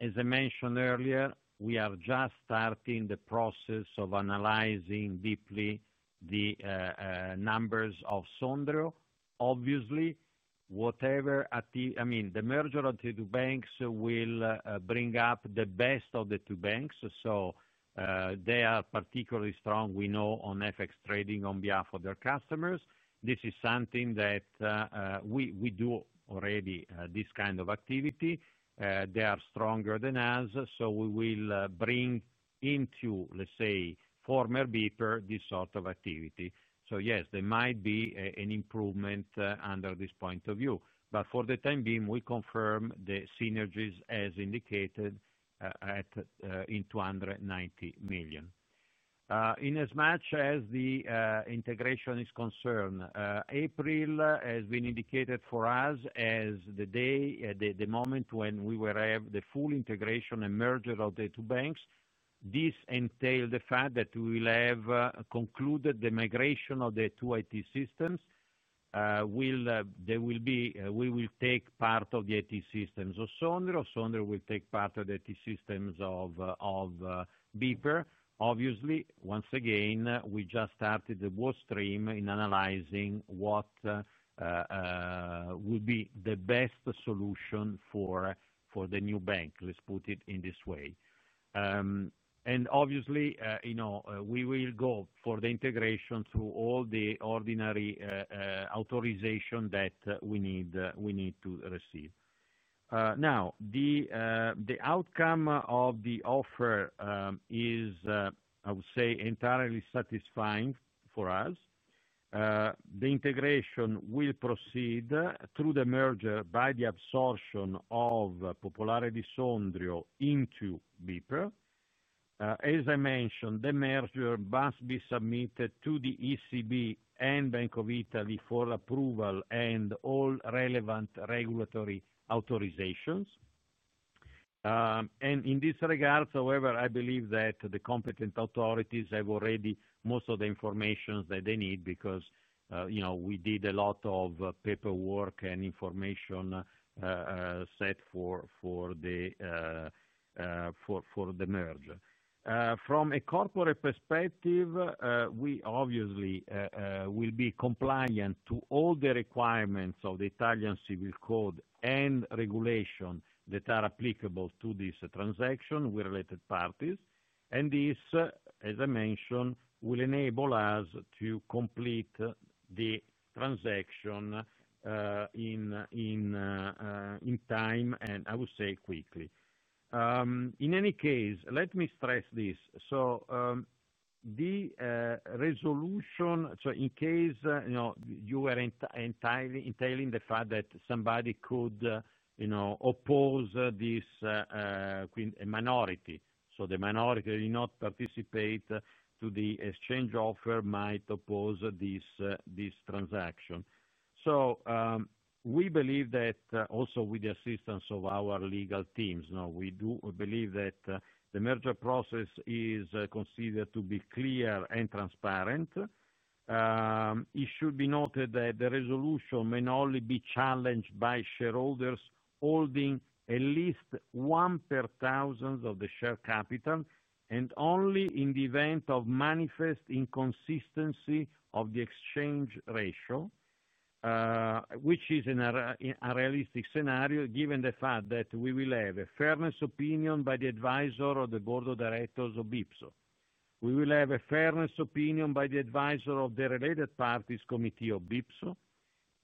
As I mentioned earlier, we are just starting the process of analyzing deeply the numbers of Sondrio. Obviously, the merger of the two banks will bring up the best of the two banks. They are particularly strong, we know, on FX trading on behalf of their customers. This is something that we do already, this kind of activity. They are stronger than us. We will bring into, let's say, former BPER, this sort of activity. There might be an improvement under this point of view. For the time being, we confirm the synergies, as indicated, at 290 million. In as much as the integration is concerned, April has been indicated for us as the day, the moment when we will have the full integration and merger of the two banks. This entails the fact that we will have concluded the migration of the two IT systems. We will take part of the IT systems of Sondrio. Sondrio will take part of the IT systems of BPER. Once again, we just started the workstream in analyzing what would be the best solution for the new bank. Let's put it in this way. We will go for the integration through all the ordinary authorization that we need to receive. The outcome of the offer is, I would say, entirely satisfying for us. The integration will proceed through the merger by the Banca Popolare di Sondrio into BPER. As I mentioned, the merger must be submitted to the ECB and Bank of Italy for approval and all relevant regulatory authorizations. In this regard, I believe that the competent authorities have already most of the information that they need because we did a lot of paperwork and information set for the merger. From a corporate perspective, we obviously will be compliant to all the requirements of the Italian civil code and regulation that are applicable to this transaction with related parties. This, as I mentioned, will enable us to complete the transaction in time, and I would say quickly. In any case, let me stress this. The resolution, in case you are entailing the fact that somebody could oppose this minority. The minority that did not participate to the exchange offer might oppose this transaction. We believe that also with the assistance of our legal teams, we do believe that the merger process is considered to be clear and transparent. It should be noted that the resolution may only be challenged by shareholders holding at least 0.1% of the share capital, and only in the event of manifest inconsistency of the exchange ratio, which is a realistic scenario given the fact that we will have a fairness opinion by the advisor of the Board of Directors BPSO. we will have a fairness opinion by the advisor of the Related Parties Committee BPSO,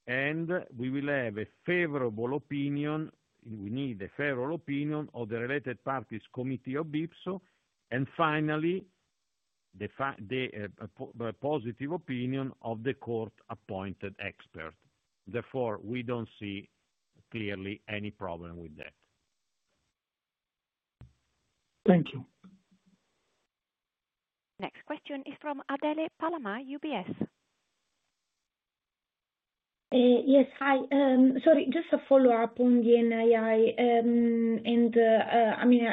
and we will have a favorable opinion. We need a favorable opinion of the Related Parties Committee BPSO, and finally, the positive opinion of the court-appointed expert. Therefore, we don't see clearly any problem with that. Thank you. Next question is from Adele Palama, UBS. Yes. Hi. Sorry, just a follow-up on the NII.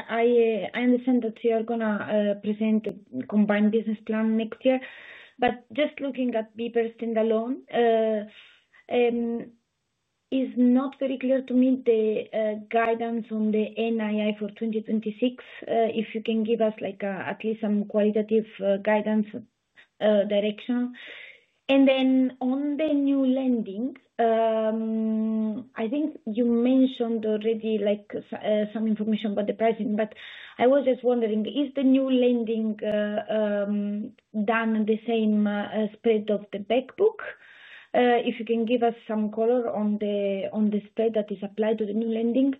I understand that you are going to present a combined business plan next year. Just looking at BPER standalone, it's not very clear to me the guidance on the NII for 2026. If you can give us at least some qualitative guidance direction. On the new lending, I think you mentioned already some information about the pricing. I was just wondering, is the new lending done in the same spread of the backbook? If you can give us some color on the spread that is applied to the new lending.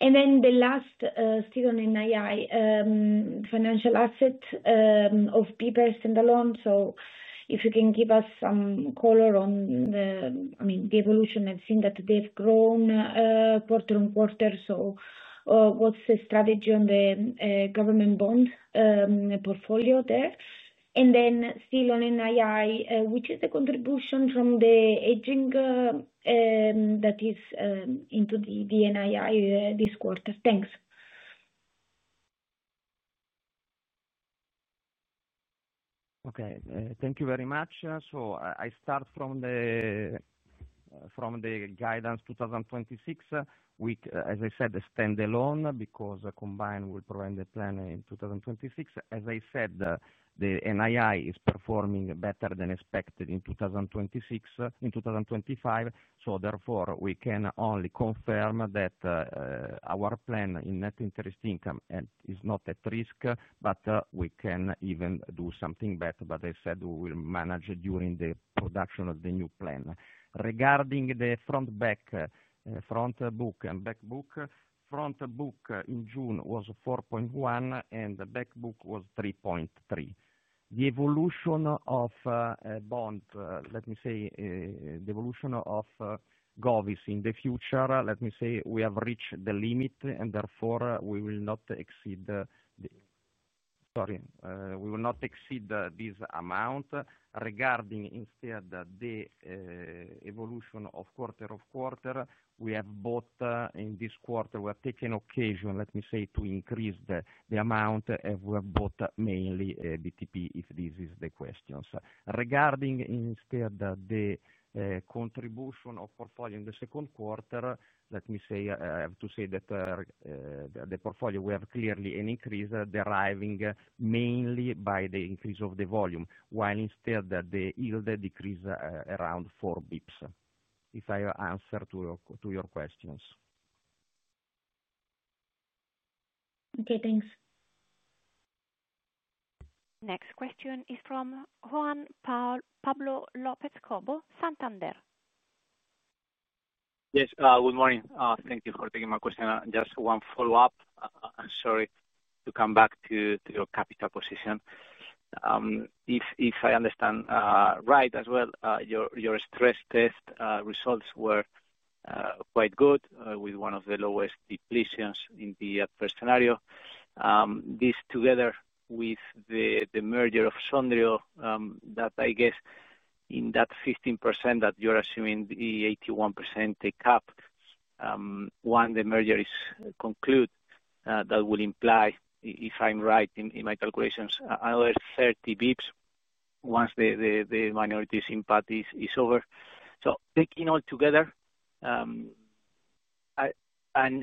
The last, still on NII, the financial asset of BPER standalone. If you can give us some color on the evolution. I've seen that they've grown quarter-on-quarter. What is the strategy on the government bond portfolio there? Still on NII, what is the contribution from the agent that is into the NII this quarter? Thanks. Okay. Thank you very much. I start from the guidance 2026, which, as I said, is standalone because combined will provide the plan in 2026. As I said, the NII is performing better than expected in 2025. Therefore, we can only confirm that our plan in net interest income is not at risk, but we can even do something better. I said we will manage during the production of the new plan. Regarding the front-book and back-book, front-book in June was 4.1, and the back-book was 3.3. The evolution of bond, let me say, the evolution of GOV is in the future. Let me say we have reached the limit, and therefore, we will not exceed this amount. Regarding instead the evolution of quarter over quarter, we have bought in this quarter, we have taken occasion, let me say, to increase the amount, and we have bought mainly BTP if this is the question. Regarding instead the contribution of portfolio in the second quarter, let me say, I have to say that the portfolio, we have clearly an increase deriving mainly by the increase of the volume, while instead the yield decreased around 4 bps, if I answer to your questions. Okay, thanks. Next question is from Juan Pablo López Cobo, Santander. Yes. Good morning. Thank you for taking my question. Just one follow-up. I'm sorry to come back to your capital position. If I understand right as well, your stress test results were quite good with one of the lowest depletions in the first scenario. This together with of BPSO, that I guess in that 15% that you're assuming, the 81% cap, once the merger is concluded, that will imply, if I'm right in my calculations, another 30 bps once the minority symmetries is over. Taking all together, and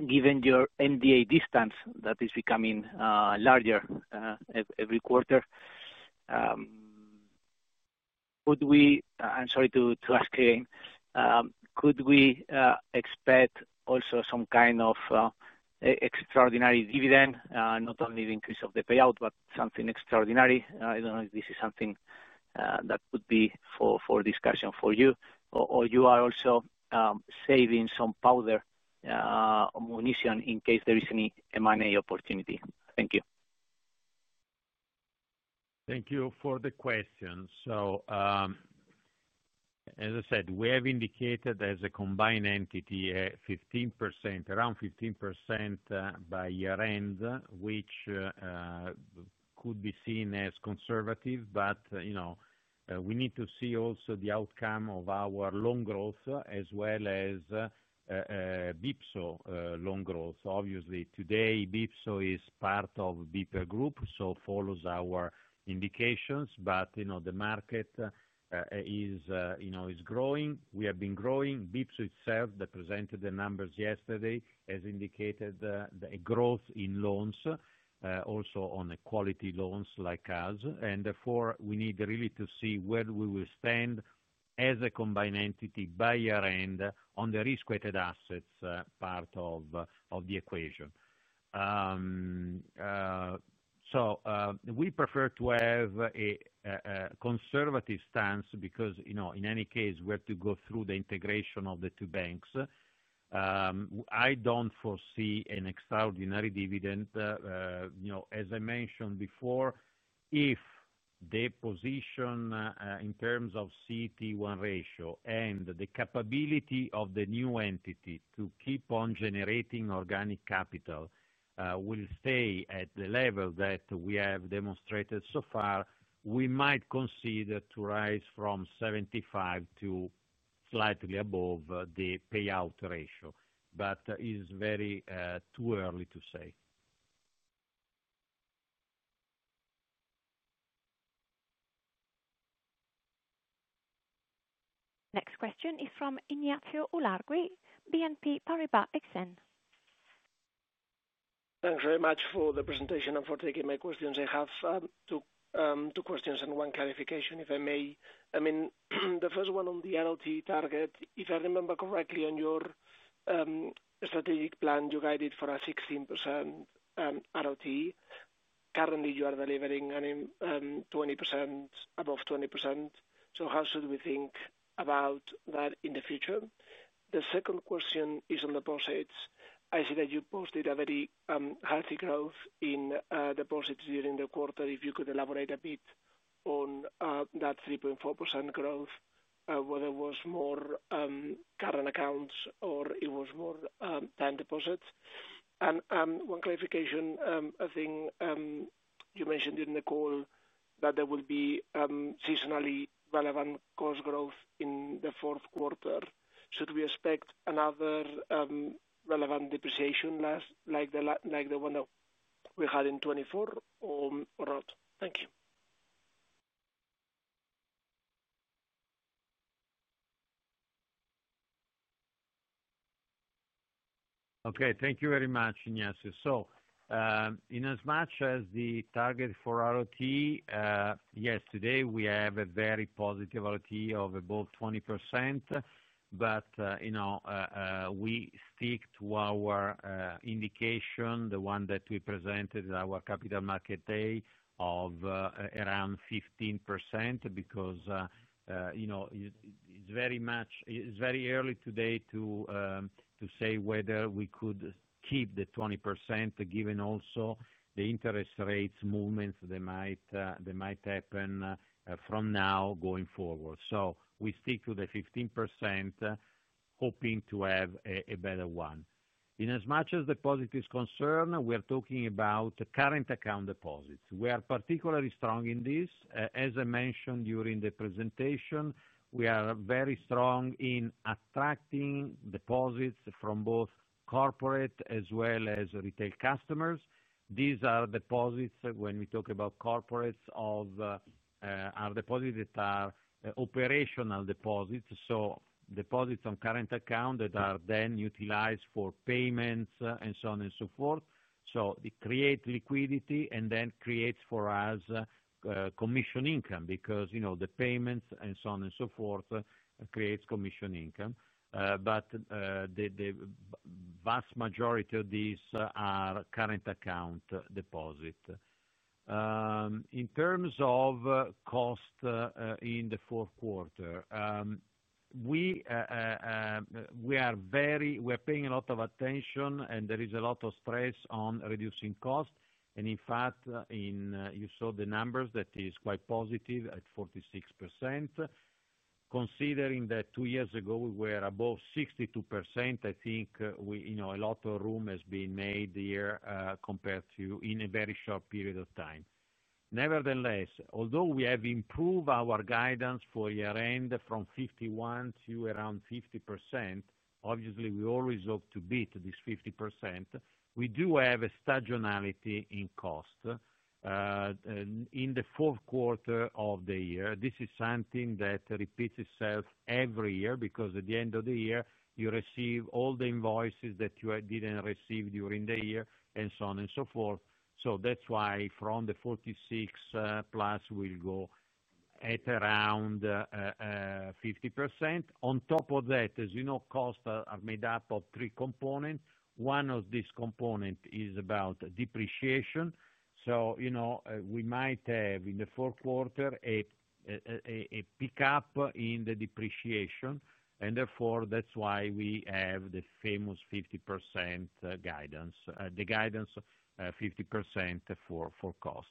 given your NDA distance that is becoming larger every quarter, could we, I'm sorry to ask again, could we expect also some kind of extraordinary dividend, not only the increase of the payout, but something extraordinary? I don't know if this is something that could. For discussion for you. You are also saving some powder, munition in case there is any M&A opportunity. Thank you. Thank you for the question. As I said, we have indicated as a combined entity 15%, around 15% by year-end, which could be seen as conservative, but you know we need to see also the outcome of our loan growth as BPSO loan today, BPSO is part of BPER Group, so it follows our indications, but you know the market is growing. We growing. BPSO itself presented the numbers yesterday as indicated a growth in loans, also on quality loans like us. Therefore, we need really to see where we will stand as a combined entity by year-end on the risk-weighted assets part of the equation. We prefer to have a conservative stance because, you know, in any case, we have to go through the integration of the two banks. I don't foresee an extraordinary dividend. As I mentioned before, if the position in terms of CET1 ratio and the capability of the new entity to keep on generating organic capital will stay at the level that we have demonstrated so far, we might consider to rise from 75% to slightly above the payout ratio. It's very too early to say. Next question is from Ignacio Ulargui, BNP Paribas Exane. Thank you very much for the presentation and for taking my questions. I have two questions and one clarification, if I may. The first one on the ROT target. If I remember correctly, on your strategic plan, you guided for a 16% ROT. Currently, you are delivering 20%, above 20%. How should we think about that in the future? The second question is on deposits. I see that you posted a very healthy growth in deposits during the quarter. If you could elaborate a bit on that 3.4% growth, whether it was more current accounts or it was more bank deposits? One clarification, I think you mentioned in the call that there will be seasonally relevant cost growth in the fourth quarter. Should we expect another relevant depreciation like the one we had in 2024 or not? Thank you. Okay. Thank you very much, Ignacio. In as much as the target for ROT, yes, today we have a very positive ROT of about 20%. You know we stick to our indication, the one that we presented at our Capital Market Day, of around 15% because you know it's very much it's very early today to say whether we could keep the 20% given also the interest rates movements that might happen from now going forward. We stick to the 15%, hoping to have a better one. In as much as deposit is concerned, we are talking about current account deposits. We are particularly strong in this. As I mentioned during the presentation, we are very strong in attracting deposits from both corporate as well as retail customers. These are deposits, when we talk about corporates, are deposits that are operational deposits. Deposits on current account that are then utilized for payments and so on and so forth. It creates liquidity and then creates for us commission income because you know the payments and so on and so forth create commission income. The vast majority of these are current account deposits. In terms of cost in the fourth quarter, we are paying a lot of attention and there is a lot of stress on reducing costs. In fact, you saw the numbers that are quite positive at 46%. Considering that two years ago, we were above 62%, I think a lot of room has been made here compared to in a very short period of time. Nevertheless, although we have improved our guidance for year-end from 51% to around 50%, obviously, we always hope to beat this 50%. We do have a stagionality in cost in the fourth quarter of the year. This is something that repeats itself every year because at the end of the year, you receive all the invoices that you didn't receive during the year and so on and so forth. That's why from the 46%+, we'll go at around 50%. On top of that, as you know, costs are made up of three components. One of these components is about depreciation. You know we might have in the fourth quarter a pickup in the depreciation. That's why we have the famous 50% guidance, the guidance 50% for cost.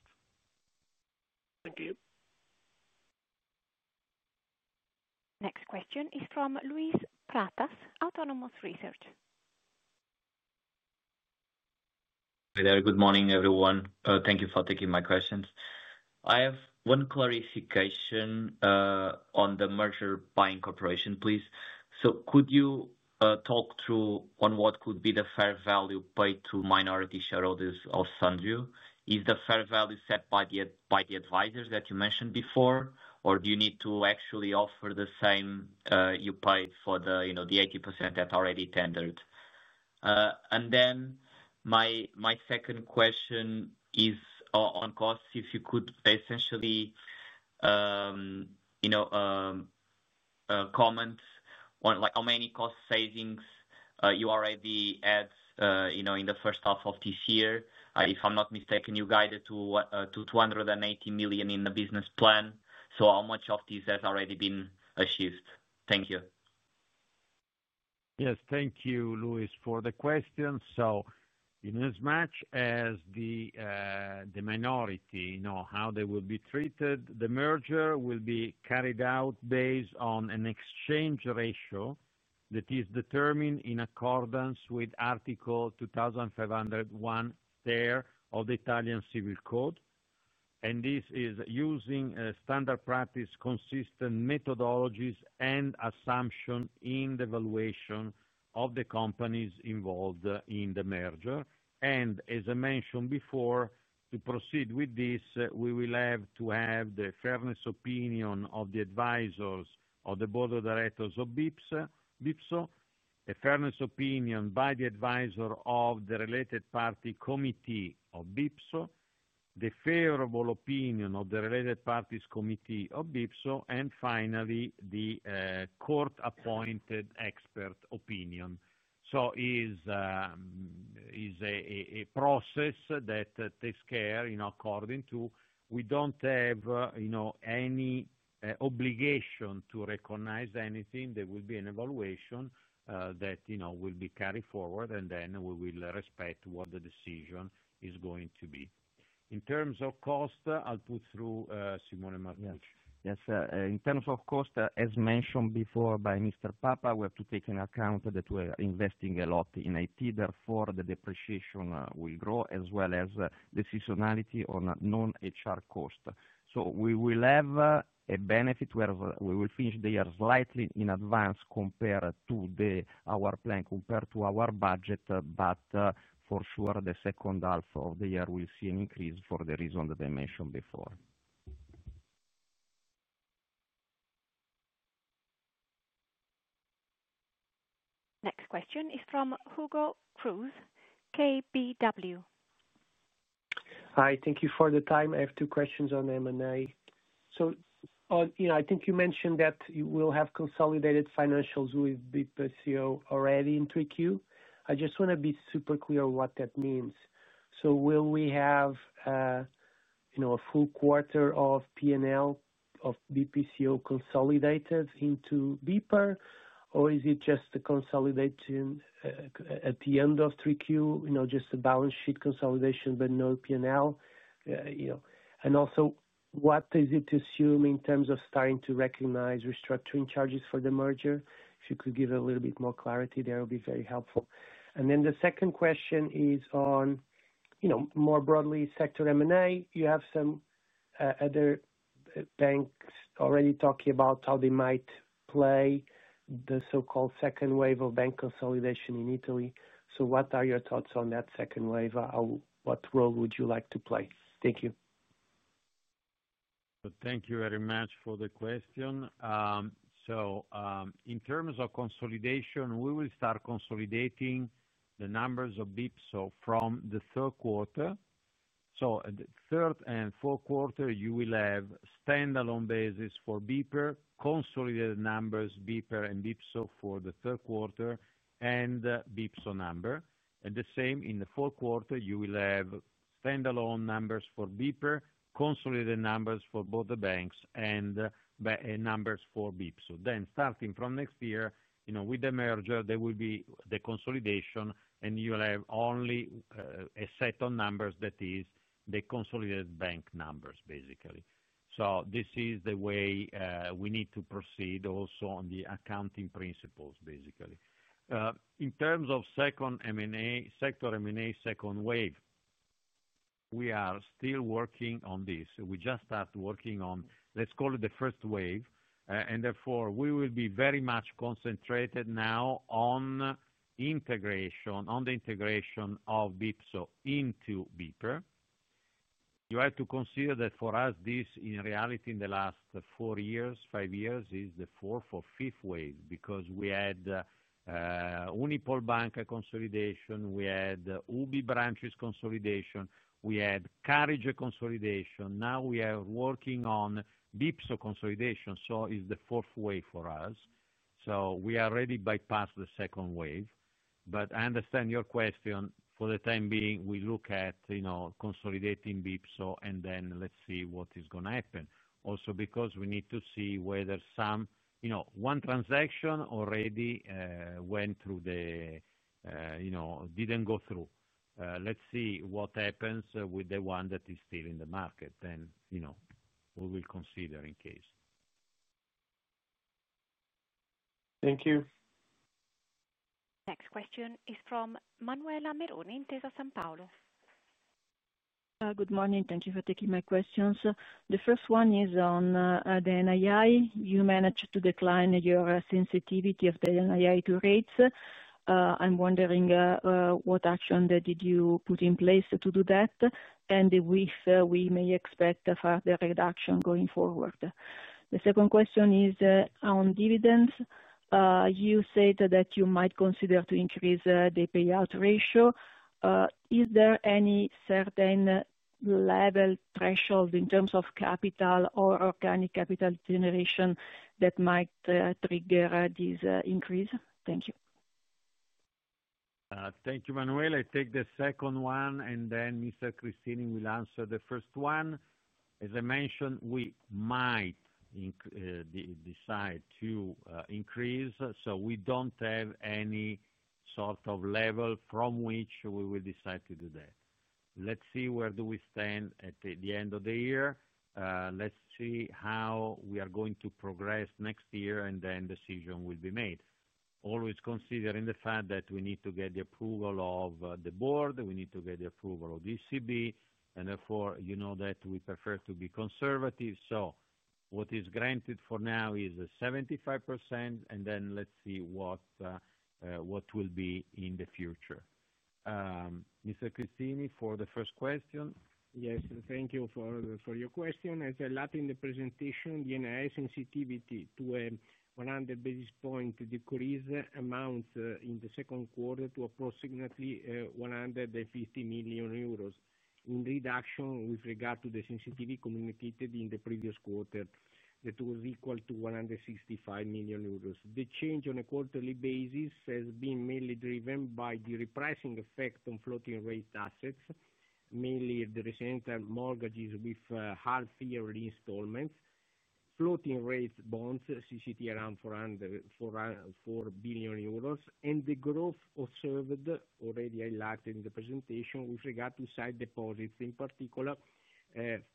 Thank you. Next question is from Luis Pratas, Autonomous Research. Very good morning, everyone. Thank you for taking my questions. I have one clarification on the merger by incorporation, please. Could you talk through on what would be the fair value paid to of BPSO? is the fair value set by the advisors that you mentioned before, or do you need to actually offer the same you paid for the 80% that already tendered? My second question is on costs. If you could essentially comment on how many cost savings you already had in the first half of this year. If I'm not mistaken, you guided to 280 million in the business plan. How much of this has already been achieved? Thank you. Yes. Thank you, Luis, for the question. In as much as the minority, you know how they will be treated, the merger will be carried out based on an exchange ratio that is determined in accordance with Article 2501(3) of the Italian Civil Code. This is using standard practice, consistent methodologies, and assumption in the valuation of the companies involved in the merger. As I mentioned before, to proceed with this, we will have to have the fairness opinion of the advisors of the board of BPSO, a fairness opinion by the advisor of the related of BPSO, the favorable opinion of the related of BPSO, and finally, the court-appointed expert opinion. It is a process that takes care according to we don't have any obligation to recognize anything. There will be an evaluation that will be carried forward, and then we will respect what the decision is going to be. In terms of cost, I'll put through Simone Marcucci. Yes, sir. In terms of cost, as mentioned before by Mr. Papa, we have to take into account that we're investing a lot in IT. Therefore, the depreciation will grow, as well as the seasonality on non-HR cost. We will have a benefit where we will finish the year slightly in advance compared to our plan, compared to our budget. For sure, the second half of the year will see an increase for the reason that I mentioned before. Next question is from Hugo Cruz, KBW. Hi. Thank you for the time. I have two questions on M&A. I think you mentioned that we'll have with BPSO already in 3Q. I just want to be super clear on what that means. Will we have a full quarter of P&L of BPSO consolidated into BPER, or is it just consolidated at the end of 3Q? Just a balance sheet consolidation, but no P&L. What is it to assume in terms of starting to recognize restructuring charges for the merger? If you could give a little bit more clarity there, it would be very helpful. The second question is on, more broadly, sector M&A. You have some other banks already talking about how they might play the so-called second wave of bank consolidation in Italy. What are your thoughts on that second wave? What role would you like to play? Thank you. Thank you very much for the question. In terms of consolidation, we will start consolidating the numbers of BPSO from the third quarter. The third and fourth quarter, you will have standalone basis for BPER, consolidated numbers, and BPSO for the third BPSO number. The same in the fourth quarter, you will have standalone numbers for BPER, consolidated numbers for both the banks, and numbers for BPSO. Starting from next year, with the merger, there will be the consolidation, and you'll have only a set of numbers that is the consolidated bank numbers, basically. This is the way we need to proceed also on the accounting principles, basically. In terms of sector M&A, second wave, we are still working on this. We just started working on, let's call it, the first wave. Therefore, we will be very much concentrated now on of bpso into BPER. You have to consider that for us, this, in reality, in the last four years, five years, is the fourth or fifth wave because we had Unipol Banca consolidation, we had UBI branches consolidation, we had Carige consolidation. Now we on BPSO consolidation. It is the fourth wave for us. We are already bypassed the second wave. I understand your question. For the time being, we look at consolidating BPSO and then let's see what is going to happen. Also, we need to see whether some, you know, one transaction already went through, didn't go through. Let's see what happens with the one that is still in the market. We will consider in case. Thank you. Next question is from Manuela Meroni of Sanpaolo. Good morning. Thank you for taking my questions. The first one is on the NII. You managed to decline your sensitivity of the NII to rates. I'm wondering, what action did you put in place to do that? If we may expect a further reduction going forward. The second question is on dividends. You said that you might consider to increase the payout ratio. Is there any certain level threshold in terms of capital or organic capital generation that might trigger this increase? Thank you. Thank you, Manuela. I take the second one, and then Mr. Cristini will answer the first one. As I mentioned, we might decide to increase. We don't have any sort of level from which we will decide to do that. Let's see where we stand at the end of the year. Let's see how we are going to progress next year, and then the decision will be made. Always considering the fact that we need to get the approval of the board, we need to get the approval of the ECB, and therefore, you know that we prefer to be conservative. What is granted for now is a 75%, and then let's see what will be in the future. Mr. Cristini, for the first question. Yes. Thank you for your question. As I allowed in the presentation, the NII sensitivity to a 100 basis point decrease amounts in the second quarter to approximately 150 million euros in reduction with regard to the sensitivity communicated in the previous quarter that was equal to 165 million euros. The change on a quarterly basis has been mainly driven by the repricing effect on floating rate assets, mainly the residential mortgages with half-year reinstallments, floating rate bonds CCT around 4 billion euros, and the growth observed already highlighted in the presentation with regard to side deposits in particular,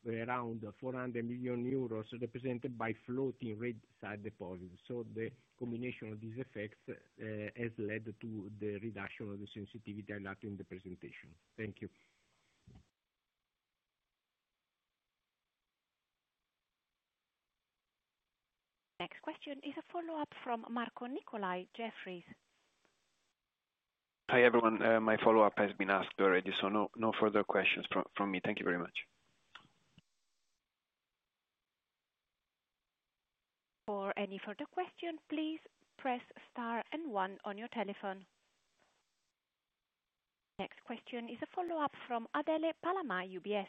around 400 million euros represented by floating rate side deposits. The combination of these effects has led to the reduction of the sensitivity highlighted in the presentation. Thank you. Next question is a follow-up from Marco Nicolae Jefferies. Hi, everyone. My follow-up has been asked already, so no further questions from me. Thank you very much. For any further questions, please press star and one on your telephone. Next question is a follow-up from Adele Palama, UBS.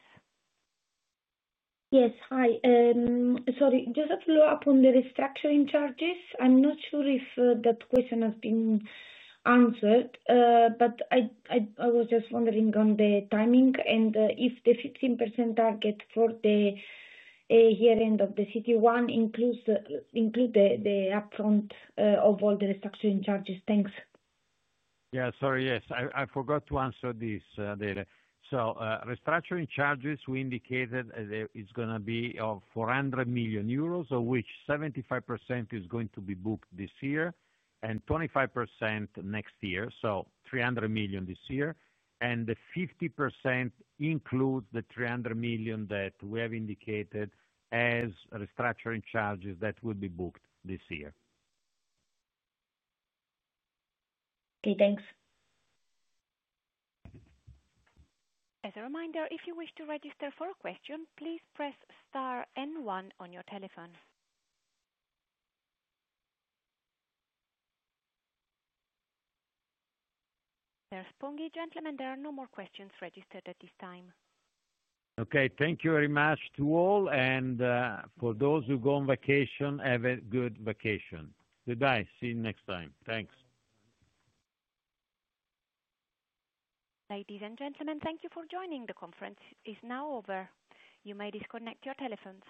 Yes. Hi. Sorry. Just a follow-up on the restructuring charges. I'm not sure if that question has been answered, but I was just wondering on the timing and if the 15% target for the year-end of the CET1 includes the upfront of all the restructuring charges. Thanks. Yes. I forgot to answer this, Adele. Restructuring charges, we indicated that it's going to be 400 million euros, of which 75% is going to be booked this year and 25% next year. 300 million this year. The 50% includes the 300 million that we have indicated as restructuring charges that will be booked this year. Okay. Thanks. As a reminder, if you wish to register for a question, please press star and one on your telephone. There's Nicola Sponghi, gentlemen. There are no more questions registered at this time. Thank you very much to all. For those who go on vacation, have a good vacation. Goodbye. See you next time. Thanks. Ladies and gentlemen, thank you for joining. The conference is now over. You may disconnect your telephones.